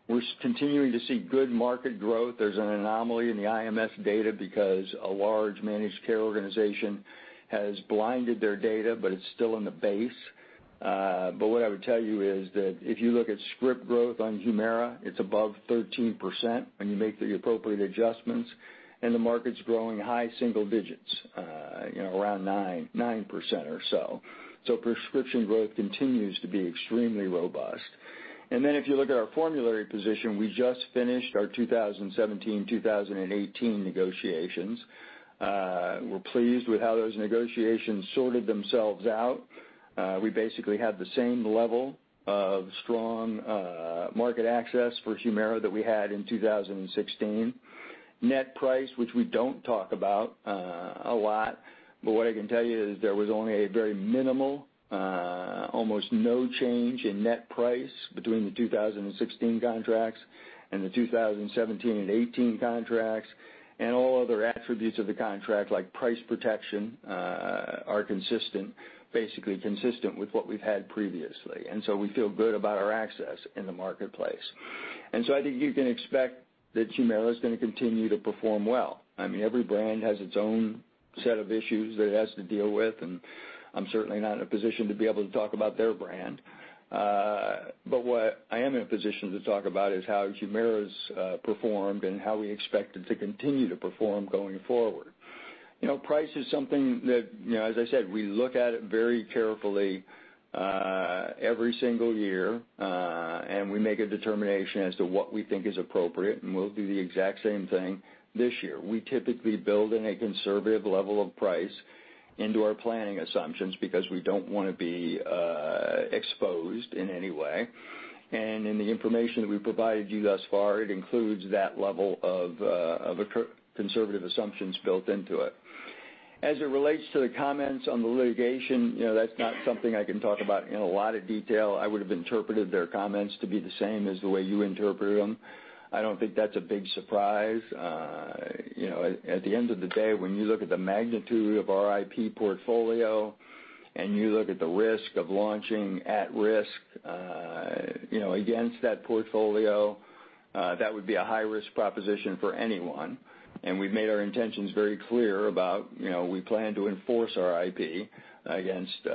We're continuing to see good market growth. There's an anomaly in the IMS data because a large managed care organization has blinded their data, but it's still in the base. What I would tell you is that if you look at script growth on Humira, it's above 13%, when you make the appropriate adjustments, and the market's growing high single digits, around 9% or so. Prescription growth continues to be extremely robust. If you look at our formulary position, we just finished our 2017-2018 negotiations. We're pleased with how those negotiations sorted themselves out. We basically have the same level of strong market access for Humira that we had in 2016. Net price, which we don't talk about a lot, but what I can tell you is there was only a very minimal, almost no change in net price between the 2016 contracts and the 2017 and 2018 contracts. All other attributes of the contract, like price protection, are basically consistent with what we've had previously. We feel good about our access in the marketplace. I think you can expect that Humira is going to continue to perform well. Every brand has its own set of issues that it has to deal with, and I'm certainly not in a position to be able to talk about their brand. What I am in a position to talk about is how Humira's performed and how we expect it to continue to perform going forward. Price is something that, as I said, we look at it very carefully every single year, and we make a determination as to what we think is appropriate, and we'll do the exact same thing this year. We typically build in a conservative level of price into our planning assumptions because we don't want to be exposed in any way. In the information that we've provided you thus far, it includes that level of conservative assumptions built into it. As it relates to the comments on the litigation, that's not something I can talk about in a lot of detail. I would have interpreted their comments to be the same as the way you interpreted them. I don't think that's a big surprise. At the end of the day, when you look at the magnitude of our IP portfolio and you look at the risk of launching at risk against that portfolio, that would be a high-risk proposition for anyone. We've made our intentions very clear about, we plan to enforce our IP against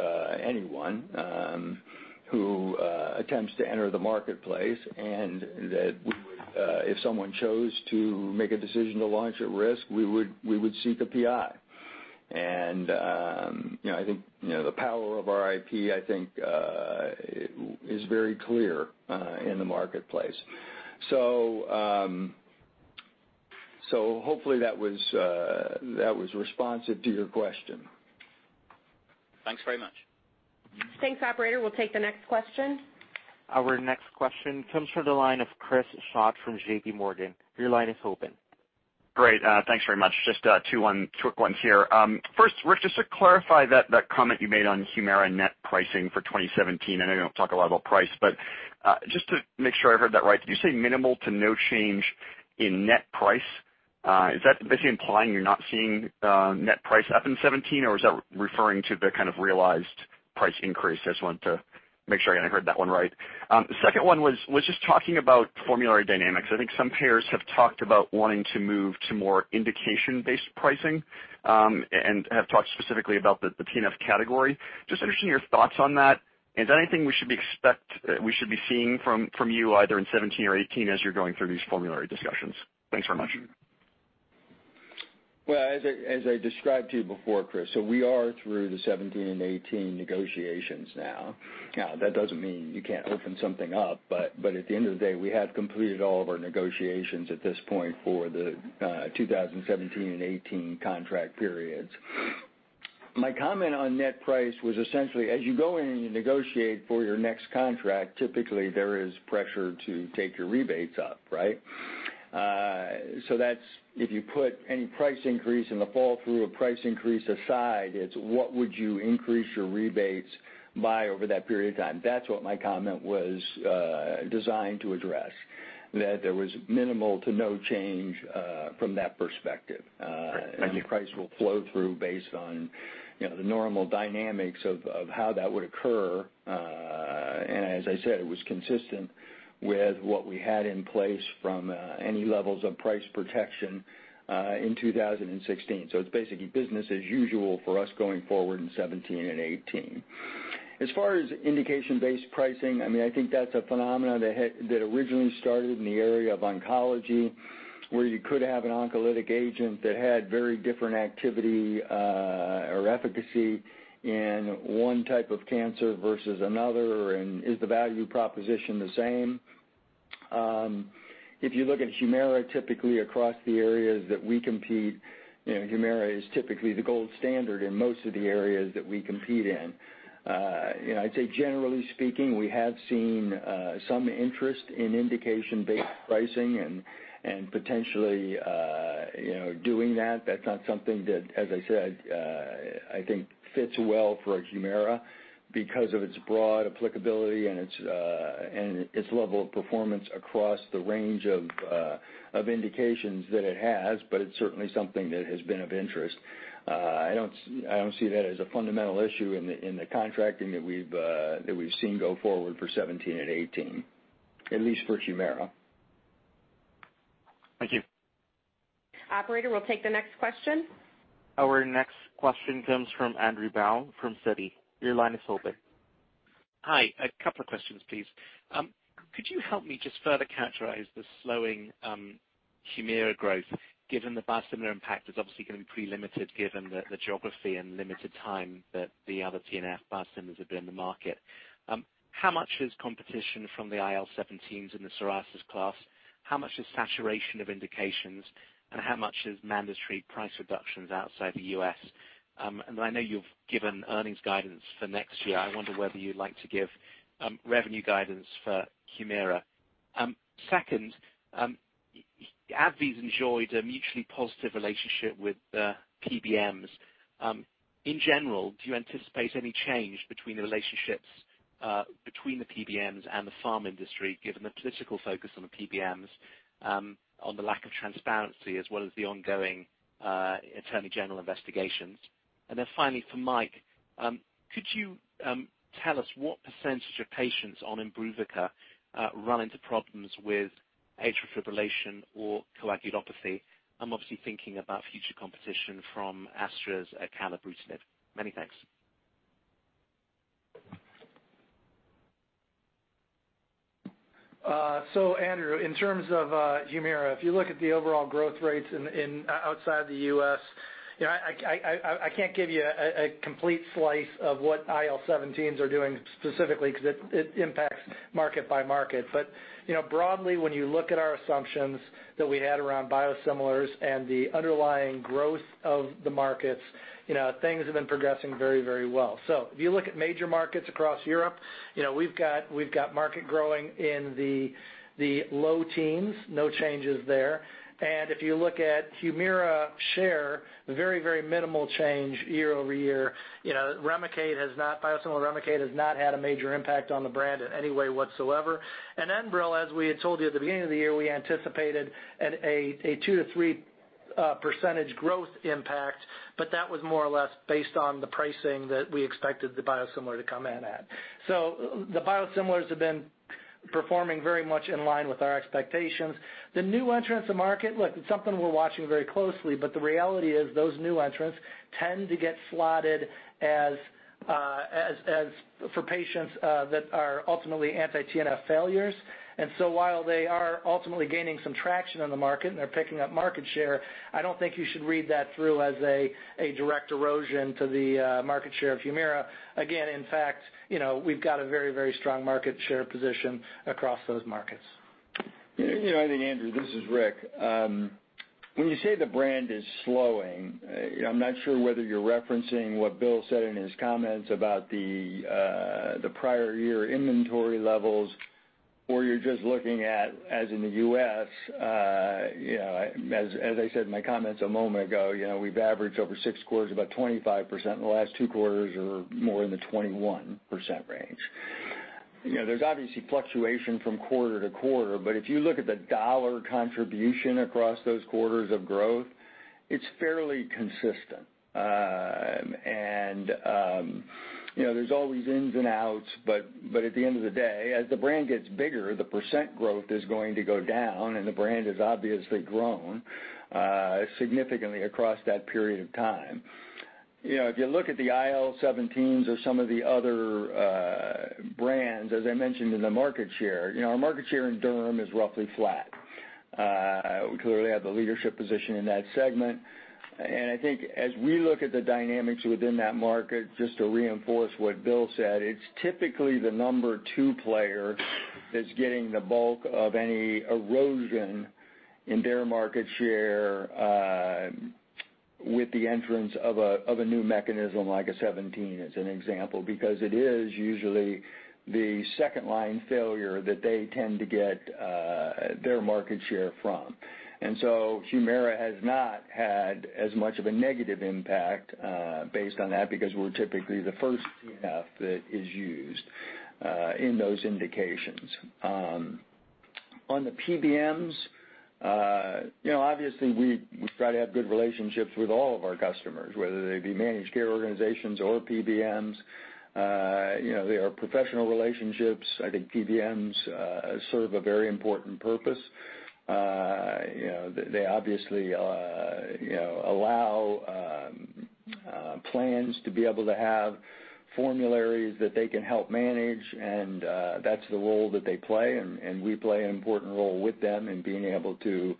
anyone who attempts to enter the marketplace, and that if someone chose to make a decision to launch at risk, we would seek the PI. I think the power of our IP, I think, is very clear in the marketplace. Hopefully that was responsive to your question. Thanks very much. Thanks, operator. We will take the next question. Our next question comes from the line of Chris Schott from J.P. Morgan. Your line is open. Great, thanks very much. Just two quick ones here. First, Rick, just to clarify that comment you made on Humira net pricing for 2017, I know you do not talk a lot about price, but just to make sure I heard that right, did you say minimal to no change in net price? Is that basically implying you are not seeing net price up in 2017, or is that referring to the kind of realized price increase? I just wanted to make sure I heard that one right. Second one was just talking about formulary dynamics. I think some payers have talked about wanting to move to more indication-based pricing, and have talked specifically about the TNF category. Just interested in your thoughts on that. Is there anything we should be seeing from you either in 2017 or 2018 as you are going through these formulary discussions? Thanks very much. Well, as I described to you before, Chris, we are through the 2017 and 2018 negotiations now. That does not mean you can not open something up, but at the end of the day, we have completed all of our negotiations at this point for the 2017 and 2018 contract periods. My comment on net price was essentially, as you go in and you negotiate for your next contract, typically, there is pressure to take your rebates up, right? That is if you put any price increase in the fall through a price increase aside, it is what would you increase your rebates by over that period of time? That is what my comment was designed to address. That there was minimal to no change from that perspective. Great. Thank you. The price will flow through based on the normal dynamics of how that would occur. As I said, it was consistent with what we had in place from any levels of price protection in 2016. It's basically business as usual for us going forward in 2017 and 2018. As far as indication-based pricing, I think that's a phenomenon that originally started in the area of oncology, where you could have an oncolytic agent that had very different activity, or efficacy in one type of cancer versus another, and is the value proposition the same? If you look at Humira, typically across the areas that we compete, Humira is typically the gold standard in most of the areas that we compete in. I'd say generally speaking, we have seen some interest in indication-based pricing and potentially doing that. That's not something that, as I said, I think fits well for Humira because of its broad applicability and its level of performance across the range of indications that it has. It's certainly something that has been of interest. I don't see that as a fundamental issue in the contracting that we've seen go forward for 2017 and 2018, at least for Humira. Thank you. Operator, we'll take the next question. Our next question comes from Andrew Baum from Citi. Your line is open. Hi. A couple of questions, please. Could you help me just further characterize the slowing Humira growth given the biosimilar impact is obviously going to be pretty limited given the geography and limited time that the other TNF biosimilars have been in the market. How much is competition from the IL-17s in the psoriasis class? How much is saturation of indications, and how much is mandatory price reductions outside the U.S.? I know you've given earnings guidance for next year. I wonder whether you'd like to give revenue guidance for Humira. Second, AbbVie's enjoyed a mutually positive relationship with PBMs. In general, do you anticipate any change between the relationships between the PBMs and the pharm industry, given the political focus on the PBMs, on the lack of transparency as well as the ongoing attorney general investigations? Finally for Mike, could you tell us what percentage of patients on IMBRUVICA run into problems with atrial fibrillation or coagulopathy? I'm obviously thinking about future competition from AstraZeneca's acalabrutinib. Many thanks. Andrew, in terms of Humira, if you look at the overall growth rates outside the U.S., I can't give you a complete slice of what IL-17s are doing specifically because it impacts market by market. Broadly, when you look at our assumptions that we had around biosimilars and the underlying growth of the markets, things have been progressing very well. If you look at major markets across Europe, we've got market growing in the low teens, no changes there. If you look at Humira share, very minimal change year-over-year. Biosimilar REMICADE has not had a major impact on the brand in any way whatsoever. ENBREL, as we had told you at the beginning of the year, we anticipated a 2%-3% growth impact, that was more or less based on the pricing that we expected the biosimilar to come in at. The biosimilars have been performing very much in line with our expectations. The new entrants to market, look, it's something we're watching very closely, the reality is those new entrants tend to get slotted for patients that are ultimately anti-TNF failures. While they are ultimately gaining some traction on the market and they're picking up market share, I don't think you should read that through as a direct erosion to the market share of Humira. Again, in fact, we've got a very strong market share position across those markets. I think, Andrew, this is Rick. When you say the brand is slowing, I'm not sure whether you're referencing what Bill said in his comments about the prior year inventory levels, or you're just looking at, as in the U.S., as I said in my comments a moment ago, we've averaged over six quarters, about 25% in the last two quarters or more in the 21% range. There's obviously fluctuation from quarter-to-quarter, but if you look at the dollar contribution across those quarters of growth, it's fairly consistent. There's always ins and outs, but at the end of the day, as the brand gets bigger, the % growth is going to go down, and the brand has obviously grown significantly across that period of time. If you look at the IL-17s or some of the other brands, as I mentioned in the market share, our market share in derm is roughly flat. We clearly have the leadership position in that segment. I think as we look at the dynamics within that market, just to reinforce what Bill said, it's typically the number 2 player that's getting the bulk of any erosion in their market share with the entrance of a new mechanism like a 17, as an example, because it is usually the second line failure that they tend to get their market share from. Humira has not had as much of a negative impact based on that, because we're typically the first TNF that is used in those indications. On the PBMs, obviously we try to have good relationships with all of our customers, whether they be managed care organizations or PBMs. They are professional relationships. I think PBMs serve a very important purpose. They obviously allow plans to be able to have formularies that they can help manage, and that's the role that they play, and we play an important role with them in being able to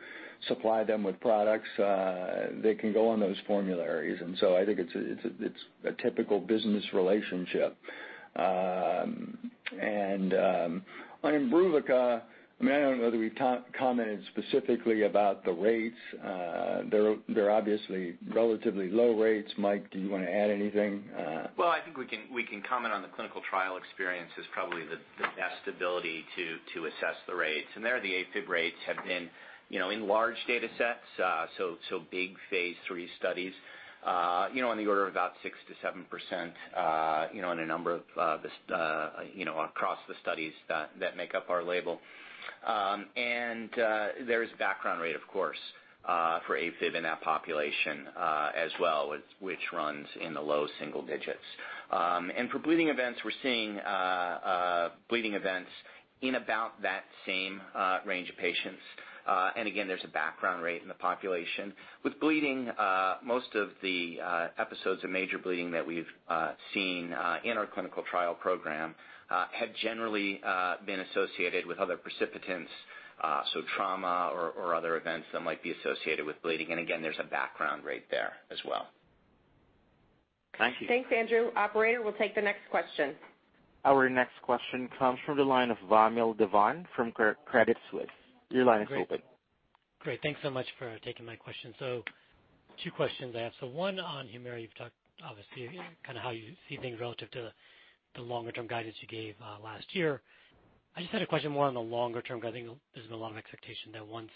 supply them with products that can go on those formularies. I think it's a typical business relationship. On IMBRUVICA, I don't know that we've commented specifically about the rates. They're obviously relatively low rates. Michael, do you want to add anything? I think we can comment on the clinical trial experience is probably the best ability to assess the rates. There the AFib rates have been in large data sets, so big phase III studies, on the order of about 6%-7% across the studies that make up our label. There is a background rate, of course, for AFib in that population as well, which runs in the low single digits. For bleeding events, we're seeing bleeding events in about that same range of patients. Again, there's a background rate in the population. With bleeding, most of the episodes of major bleeding that we've seen in our clinical trial program have generally been associated with other precipitants, so trauma or other events that might be associated with bleeding. Again, there's a background rate there as well. Thank you. Thanks, Andrew. Operator, we'll take the next question. Our next question comes from the line of Vamil Divan from Credit Suisse. Your line is open. Great. Thanks so much for taking my question. Two questions I have. One on Humira, you've talked obviously kind of how you see things relative to the longer-term guidance you gave last year. I just had a question more on the longer term, because I think there's been a lot of expectation that once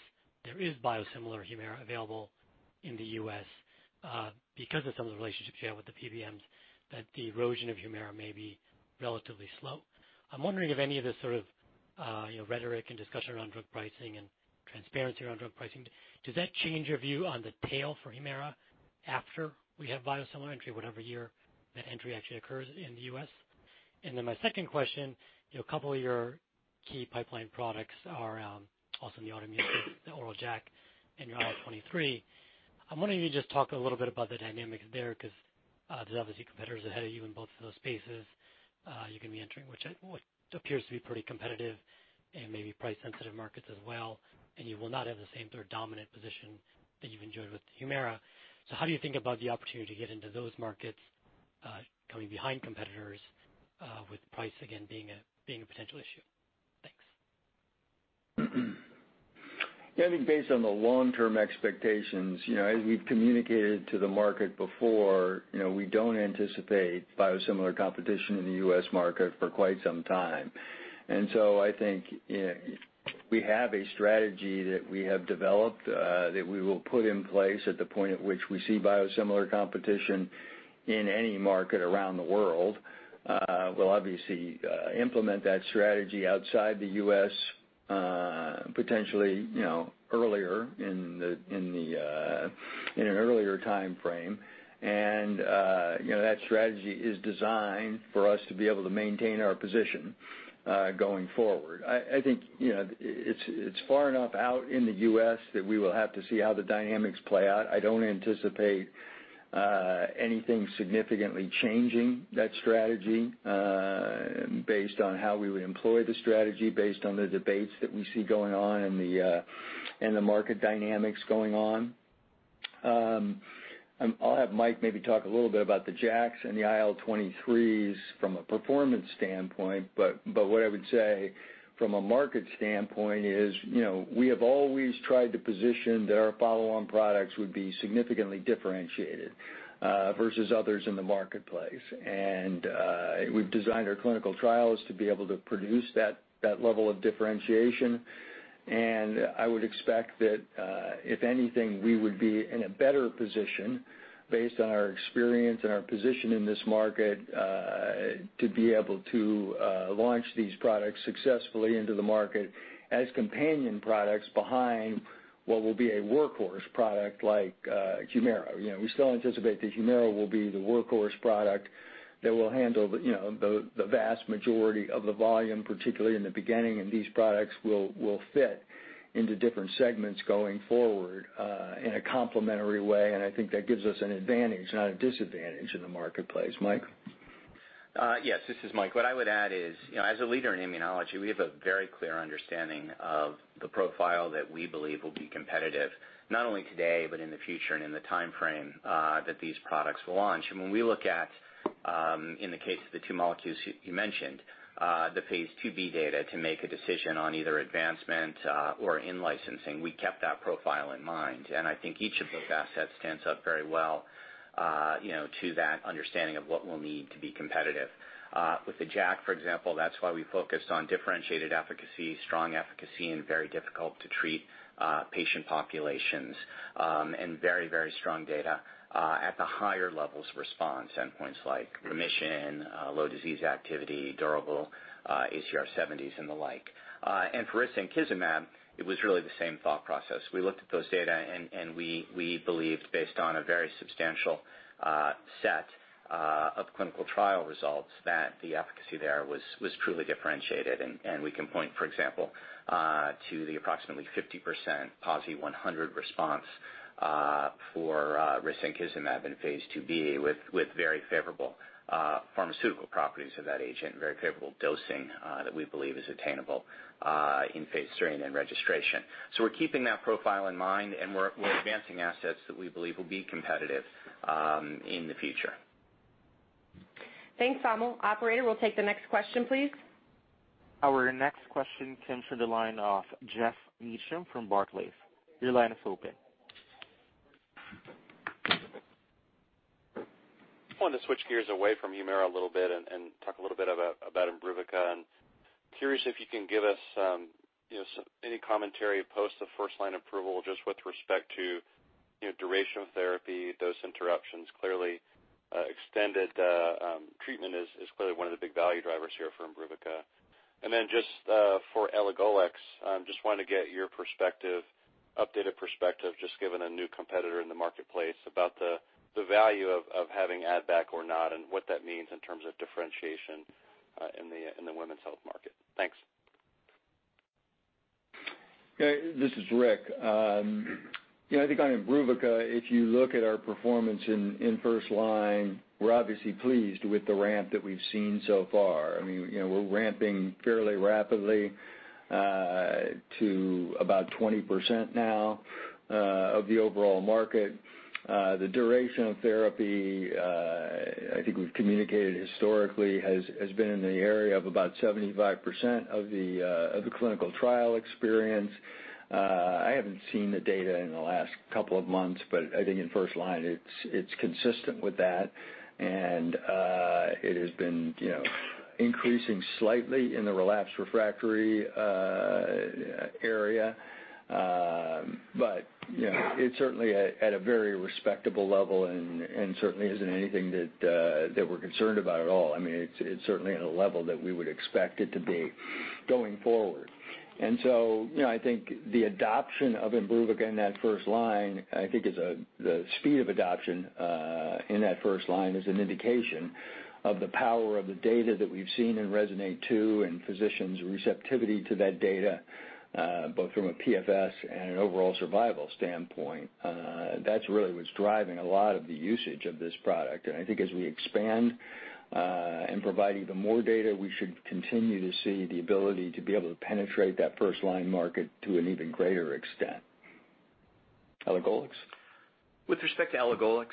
there is biosimilar Humira available in the U.S., because of some of the relationships you have with the PBMs, that the erosion of Humira may be relatively slow. I'm wondering if any of this sort of rhetoric and discussion around drug pricing and transparency around drug pricing, does that change your view on the tail for Humira after we have biosimilar entry, whatever year that entry actually occurs in the U.S.? My second question, a couple of your key pipeline products are also in the autoimmune space, the oral JAK and your IL-23. I'm wondering if you could just talk a little bit about the dynamics there, because there's obviously competitors ahead of you in both of those spaces you're going to be entering, which appears to be pretty competitive and maybe price-sensitive markets as well, and you will not have the same sort of dominant position that you've enjoyed with Humira. How do you think about the opportunity to get into those markets coming behind competitors with price again being a potential issue? Thanks. Yeah, I think based on the long-term expectations, as we've communicated to the market before, we don't anticipate biosimilar competition in the U.S. market for quite some time. I think we have a strategy that we have developed that we will put in place at the point at which we see biosimilar competition in any market around the world. We'll obviously implement that strategy outside the U.S. potentially in an earlier timeframe. That strategy is designed for us to be able to maintain our position going forward. I think it's far enough out in the U.S. that we will have to see how the dynamics play out. I don't anticipate anything significantly changing that strategy based on how we would employ the strategy, based on the debates that we see going on and the market dynamics going on. I'll have Mike maybe talk a little bit about the JAKs and the IL-23s from a performance standpoint, but what I would say from a market standpoint is we have always tried to position that our follow-on products would be significantly differentiated versus others in the marketplace. We've designed our clinical trials to be able to produce that level of differentiation. I would expect that, if anything, we would be in a better position based on our experience and our position in this market to be able to launch these products successfully into the market as companion products behind what will be a workhorse product like Humira. We still anticipate that Humira will be the workhorse product that will handle the vast majority of the volume, particularly in the beginning, and these products will fit into different segments going forward in a complementary way. I think that gives us an advantage, not a disadvantage in the marketplace. Mike? Yes, this is Mike. What I would add is, as a leader in immunology, we have a very clear understanding of the profile that we believe will be competitive not only today but in the future and in the timeframe that these products will launch. When we look at, in the case of the two molecules you mentioned, the phase IIb data to make a decision on either advancement or in-licensing, we kept that profile in mind. I think each of those assets stands up very well to that understanding of what we'll need to be competitive. With the JAK, for example, that's why we focused on differentiated efficacy, strong efficacy in very difficult-to-treat patient populations, and very strong data at the higher levels of response endpoints like remission, low disease activity, durable ACR70s and the like. For risankizumab, it was really the same thought process. We looked at those data, we believed, based on a very substantial set of clinical trial results, that the efficacy there was truly differentiated. We can point, for example, to the approximately 50% PASI 100 response for risankizumab in phase IIb with very favorable pharmaceutical properties of that agent, very favorable dosing that we believe is attainable in phase III and then registration. We're keeping that profile in mind, we're advancing assets that we believe will be competitive in the future. Thanks, Vamil. Operator, we'll take the next question, please. Our next question comes from the line of Jeff Meacham from Barclays. Your line is open. I wanted to switch gears away from Humira a little bit and talk a little bit about IMBRUVICA. Curious if you can give us any commentary post the first-line approval, just with respect to duration of therapy, dose interruptions. Clearly, extended treatment is clearly one of the big value drivers here for IMBRUVICA. Then just for elagolix, just wanted to get your updated perspective, just given a new competitor in the marketplace about the value of having add-back or not, and what that means in terms of differentiation in the women's health market. Thanks. Okay, this is Rick. I think on IMBRUVICA, if you look at our performance in first line, we're obviously pleased with the ramp that we've seen so far. We're ramping fairly rapidly to about 20% now of the overall market. The duration of therapy, I think we've communicated historically has been in the area of about 75% of the clinical trial experience. I haven't seen the data in the last couple of months, but I think in first line, it's consistent with that, and it has been increasing slightly in the relapsed refractory area. It's certainly at a very respectable level and certainly isn't anything that we're concerned about at all. It's certainly at a level that we would expect it to be going forward. I think the adoption of IMBRUVICA in that first line, I think the speed of adoption in that first line is an indication of the power of the data that we've seen in RESONATE-2 and physicians' receptivity to that data, both from a PFS and an overall survival standpoint. That's really what's driving a lot of the usage of this product. I think as we expand and providing the more data, we should continue to see the ability to be able to penetrate that first-line market to an even greater extent. Elagolix? With respect to elagolix,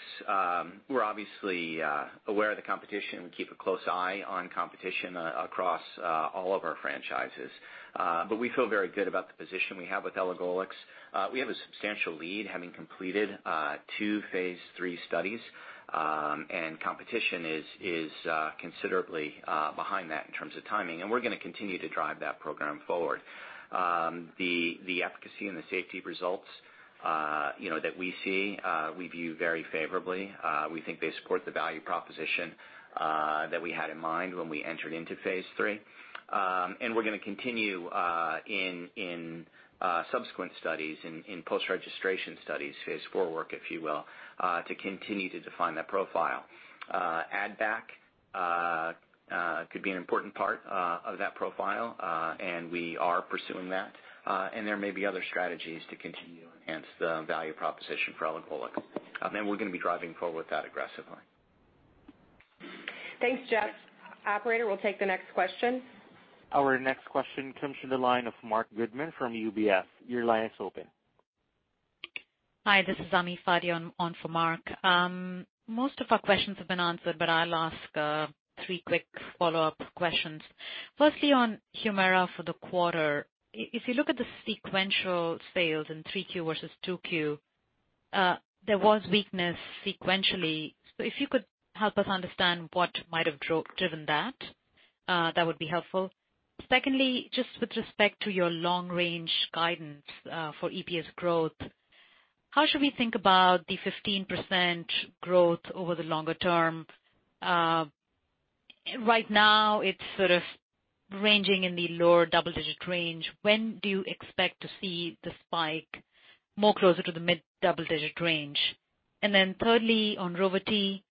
we're obviously aware of the competition. We keep a close eye on competition across all of our franchises. But we feel very good about the position we have with elagolix. We have a substantial lead, having completed two phase III studies, and competition is considerably behind that in terms of timing, and we're going to continue to drive that program forward. The efficacy and the safety results that we see, we view very favorably. We think they support the value proposition that we had in mind when we entered into phase III. And we're going to continue in subsequent studies, in post-registration studies, phase IV work, if you will, to continue to define that profile. Add-back could be an important part of that profile, and we are pursuing that. And there may be other strategies to continue to enhance the value proposition for elagolix. We're going to be driving forward with that aggressively. Thanks, Jeff. Operator, we'll take the next question. Our next question comes from the line of Marc Goodman from UBS. Your line is open. Hi, this is Ami Fadia on for Marc. Most of our questions have been answered, but I'll ask three quick follow-up questions. Firstly, on Humira for the quarter, if you look at the sequential sales in Q3 versus Q2. There was weakness sequentially. If you could help us understand what might have driven that would be helpful. Secondly, just with respect to your long range guidance for EPS growth, how should we think about the 15% growth over the longer term? Right now it's sort of ranging in the lower double-digit range. When do you expect to see the spike more closer to the mid-double-digit range? Thirdly, on Rova-T,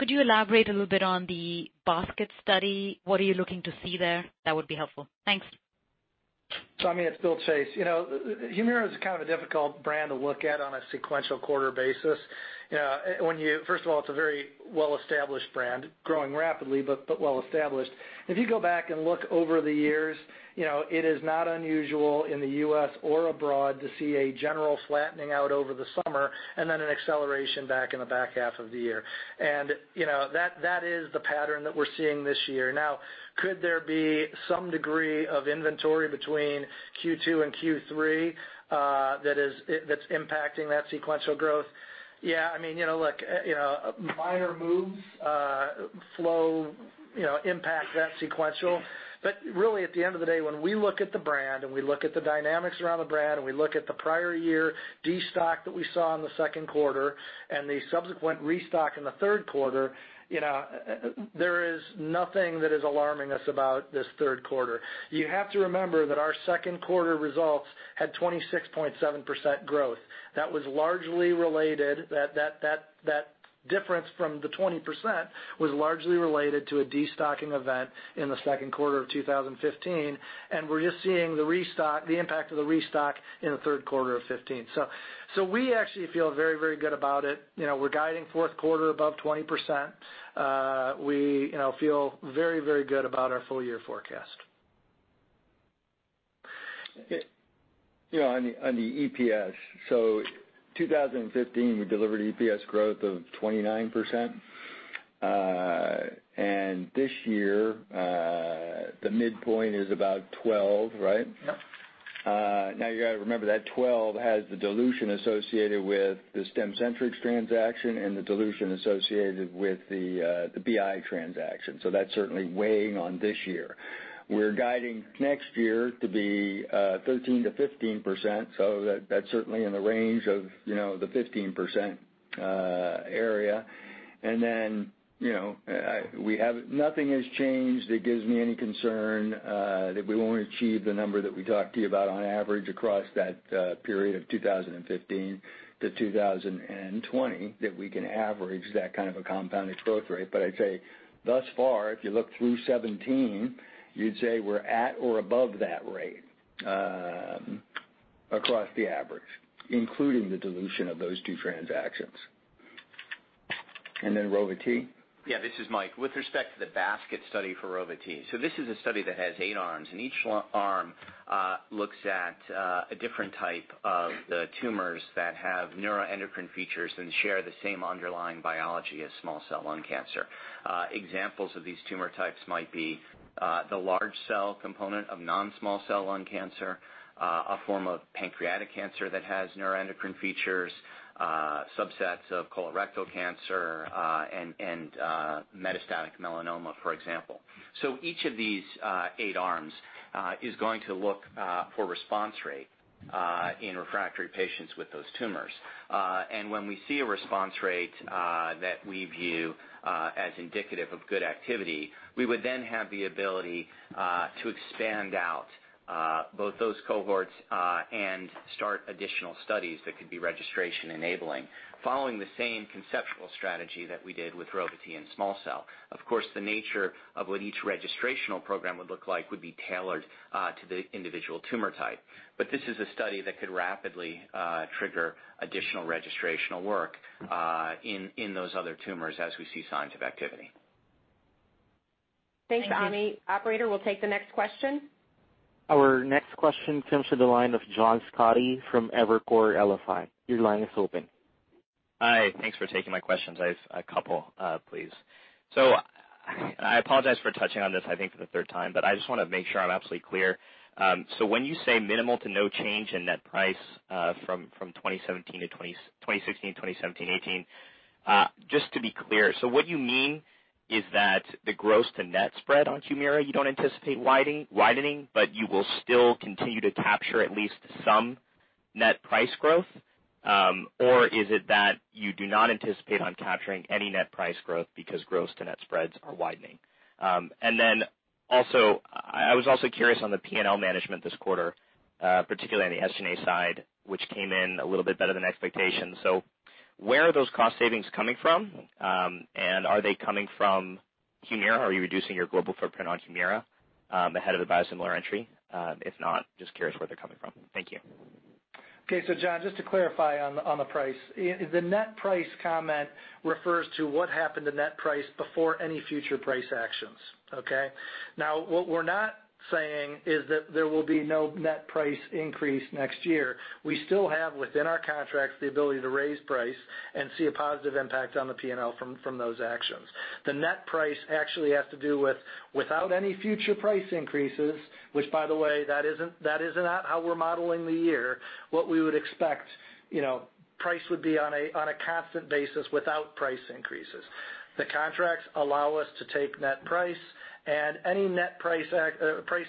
could you elaborate a little bit on the basket study? What are you looking to see there? That would be helpful. Thanks. I mean, it's Bill Chase. Humira is kind of a difficult brand to look at on a sequential quarter basis. First of all, it's a very well-established brand, growing rapidly, but well-established. If you go back and look over the years, it is not unusual in the U.S. or abroad to see a general flattening out over the summer and then an acceleration back in the back half of the year. That is the pattern that we're seeing this year. Now, could there be some degree of inventory between Q2 and Q3 that's impacting that sequential growth? Yeah, look, minor moves, flow impacts that sequential. Really at the end of the day, when we look at the brand and we look at the dynamics around the brand, and we look at the prior year destock that we saw in the second quarter and the subsequent restock in the third quarter, there is nothing that is alarming us about this third quarter. You have to remember that our second quarter results had 26.7% growth. That difference from the 20% was largely related to a destocking event in the second quarter of 2015, and we're just seeing the impact of the restock in the third quarter of 2015. We actually feel very good about it. We're guiding fourth quarter above 20%. We feel very good about our full year forecast. On the EPS, 2015, we delivered EPS growth of 29%, and this year, the midpoint is about 12, right? Yep. You got to remember that 12 has the dilution associated with the Stemcentrx transaction and the dilution associated with the BI transaction. That's certainly weighing on this year. We're guiding next year to be 13%-15%, that's certainly in the range of the 15% area. Nothing has changed that gives me any concern that we won't achieve the number that we talked to you about on average across that period of 2015 to 2020, that we can average that kind of a compounded growth rate. I'd say thus far, if you look through 2017, you'd say we're at or above that rate across the average, including the dilution of those two transactions. Rova-T? Yeah, this is Mike. With respect to the basket study for Rova-T, this is a study that has eight arms, and each arm looks at a different type of tumors that have neuroendocrine features and share the same underlying biology as small cell lung cancer. Examples of these tumor types might be the large cell component of non-small cell lung cancer, a form of pancreatic cancer that has neuroendocrine features, subsets of colorectal cancer, and metastatic melanoma, for example. Each of these eight arms is going to look for response rate in refractory patients with those tumors. When we see a response rate that we view as indicative of good activity, we would then have the ability to expand out both those cohorts and start additional studies that could be registration enabling, following the same conceptual strategy that we did with Rova-T in small cell. Of course, the nature of what each registrational program would look like would be tailored to the individual tumor type. This is a study that could rapidly trigger additional registrational work in those other tumors as we see signs of activity. Thank you. Thanks, Ami. Operator, we'll take the next question. Our next question comes to the line of John Scotti from Evercore ISI. Your line is open. Hi. Thanks for taking my questions. I have a couple, please. I apologize for touching on this, I think for the third time, but I just want to make sure I'm absolutely clear. When you say minimal to no change in net price from 2016, 2017, 2018, just to be clear, what you mean is that the gross to net spread on Humira, you don't anticipate widening, but you will still continue to capture at least some net price growth? Or is it that you do not anticipate on capturing any net price growth because gross to net spreads are widening? Also, I was also curious on the P&L management this quarter, particularly on the S&A side, which came in a little bit better than expectations. Where are those cost savings coming from? Are they coming from Humira? Are you reducing your global footprint on Humira ahead of the biosimilar entry? If not, just curious where they're coming from. Thank you. Okay, John, just to clarify on the price. The net price comment refers to what happened to net price before any future price actions, okay? Now, what we're not saying is that there will be no net price increase next year. We still have, within our contracts, the ability to raise price and see a positive impact on the P&L from those actions. The net price actually has to do with, without any future price increases, which by the way, that is not how we're modeling the year, what we would expect price would be on a constant basis without price increases. The contracts allow us to take net price and any net price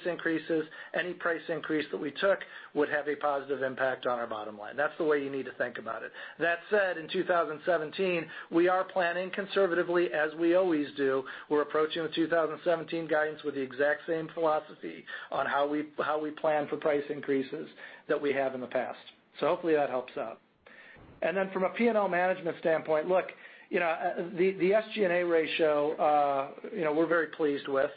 increases, any price increase that we took would have a positive impact on our bottom line. That's the way you need to think about it. That said, in 2017, we are planning conservatively, as we always do. We're approaching the 2017 guidance with the exact same philosophy on how we plan for price increases that we have in the past. Hopefully that helps out. From a P&L management standpoint, look, the SG&A ratio, we're very pleased with.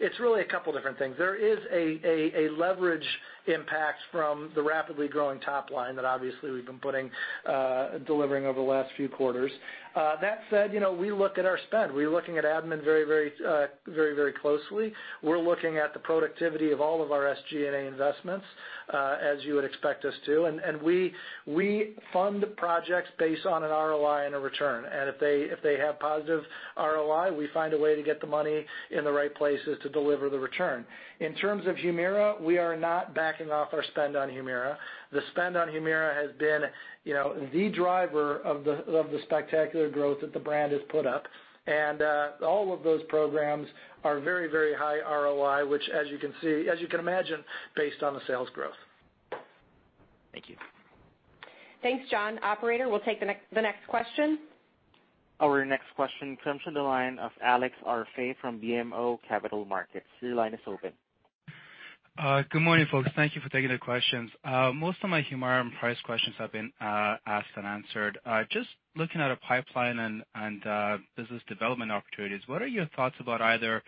It's really a couple different things. There is a leverage impact from the rapidly growing top line that obviously we've been delivering over the last few quarters. That said, we look at our spend. We're looking at admin very closely. We're looking at the productivity of all of our SG&A investments, as you would expect us to. We fund projects based on an ROI and a return. If they have positive ROI, we find a way to get the money in the right places to deliver the return. In terms of Humira, we are not backing off our spend on Humira. The spend on Humira has been the driver of the spectacular growth that the brand has put up. All of those programs are very high ROI, which as you can imagine, based on the sales growth. Thank you. Thanks, John. Operator, we'll take the next question. Our next question comes from the line of Alex Arfaei from BMO Capital Markets. Your line is open. Good morning, folks. Thank you for taking the questions. Most of my Humira and price questions have been asked and answered. Just looking at a pipeline and business development opportunities, what are your thoughts about either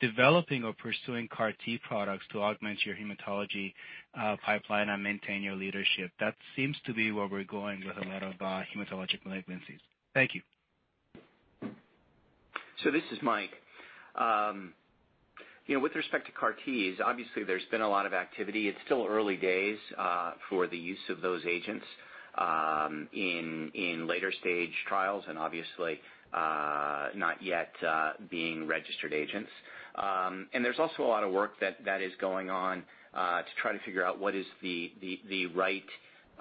developing or pursuing CAR T products to augment your hematology pipeline and maintain your leadership? That seems to be where we're going with a lot of hematologic malignancies. Thank you. This is Mike. With respect to CAR Ts, obviously there's been a lot of activity. It's still early days for the use of those agents in later stage trials, and obviously, not yet being registered agents. There's also a lot of work that is going on to try to figure out what is the right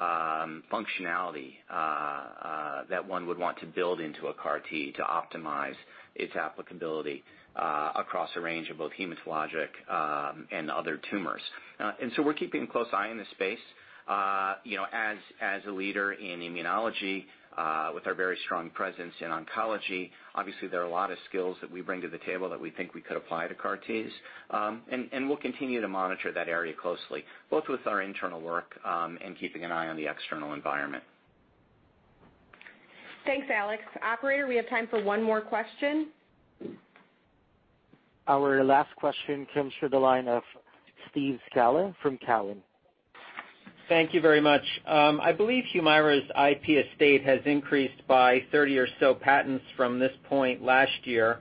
functionality that one would want to build into a CAR T to optimize its applicability across a range of both hematologic and other tumors. We're keeping a close eye on the space. As a leader in immunology with our very strong presence in oncology, obviously there are a lot of skills that we bring to the table that we think we could apply to CAR Ts. We'll continue to monitor that area closely, both with our internal work, and keeping an eye on the external environment. Thanks, Alex. Operator, we have time for one more question. Our last question comes through the line of Steve Scala from Cowen. Thank you very much. I believe Humira's IP estate has increased by 30 or so patents from this point last year.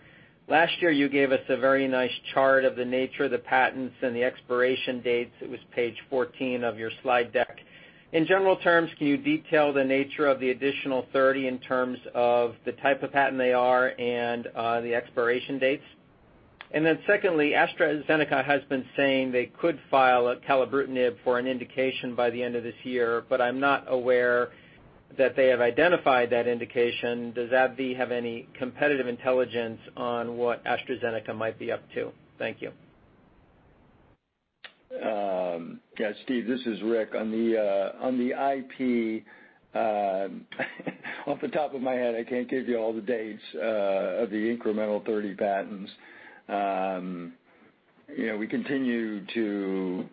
Last year, you gave us a very nice chart of the nature of the patents and the expiration dates. It was page 14 of your slide deck. In general terms, can you detail the nature of the additional 30 in terms of the type of patent they are and the expiration dates? Then secondly, AstraZeneca has been saying they could file acalabrutinib for an indication by the end of this year, but I'm not aware that they have identified that indication. Does AbbVie have any competitive intelligence on what AstraZeneca might be up to? Thank you. Yeah. Steve, this is Rick. On the IP, off the top of my head, I can't give you all the dates of the incremental 30 patents. We continue to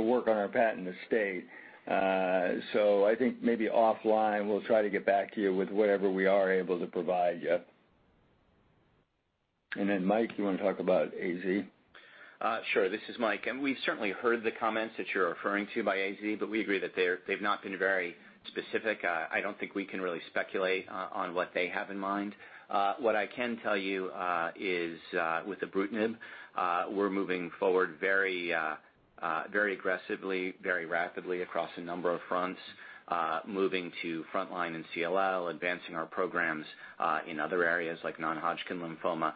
work on our patent estate. I think maybe offline we'll try to get back to you with whatever we are able to provide you. Mike, you want to talk about AZ? Sure. This is Mike. We certainly heard the comments that you're referring to by AZ, but we agree that they've not been very specific. I don't think we can really speculate on what they have in mind. What I can tell you is, with ibrutinib, we're moving forward very aggressively, very rapidly across a number of fronts, moving to frontline and CLL, advancing our programs in other areas like non-Hodgkin lymphoma.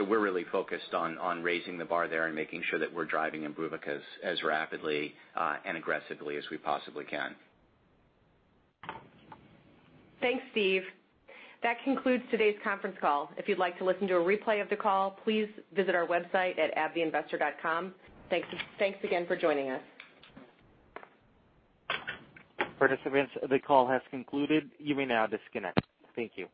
We're really focused on raising the bar there and making sure that we're driving IMBRUVICA as rapidly and aggressively as we possibly can. Thanks, Steve. That concludes today's conference call. If you'd like to listen to a replay of the call, please visit our website at abbvieinvestor.com. Thanks again for joining us. Participants, the call has concluded. You may now disconnect. Thank you.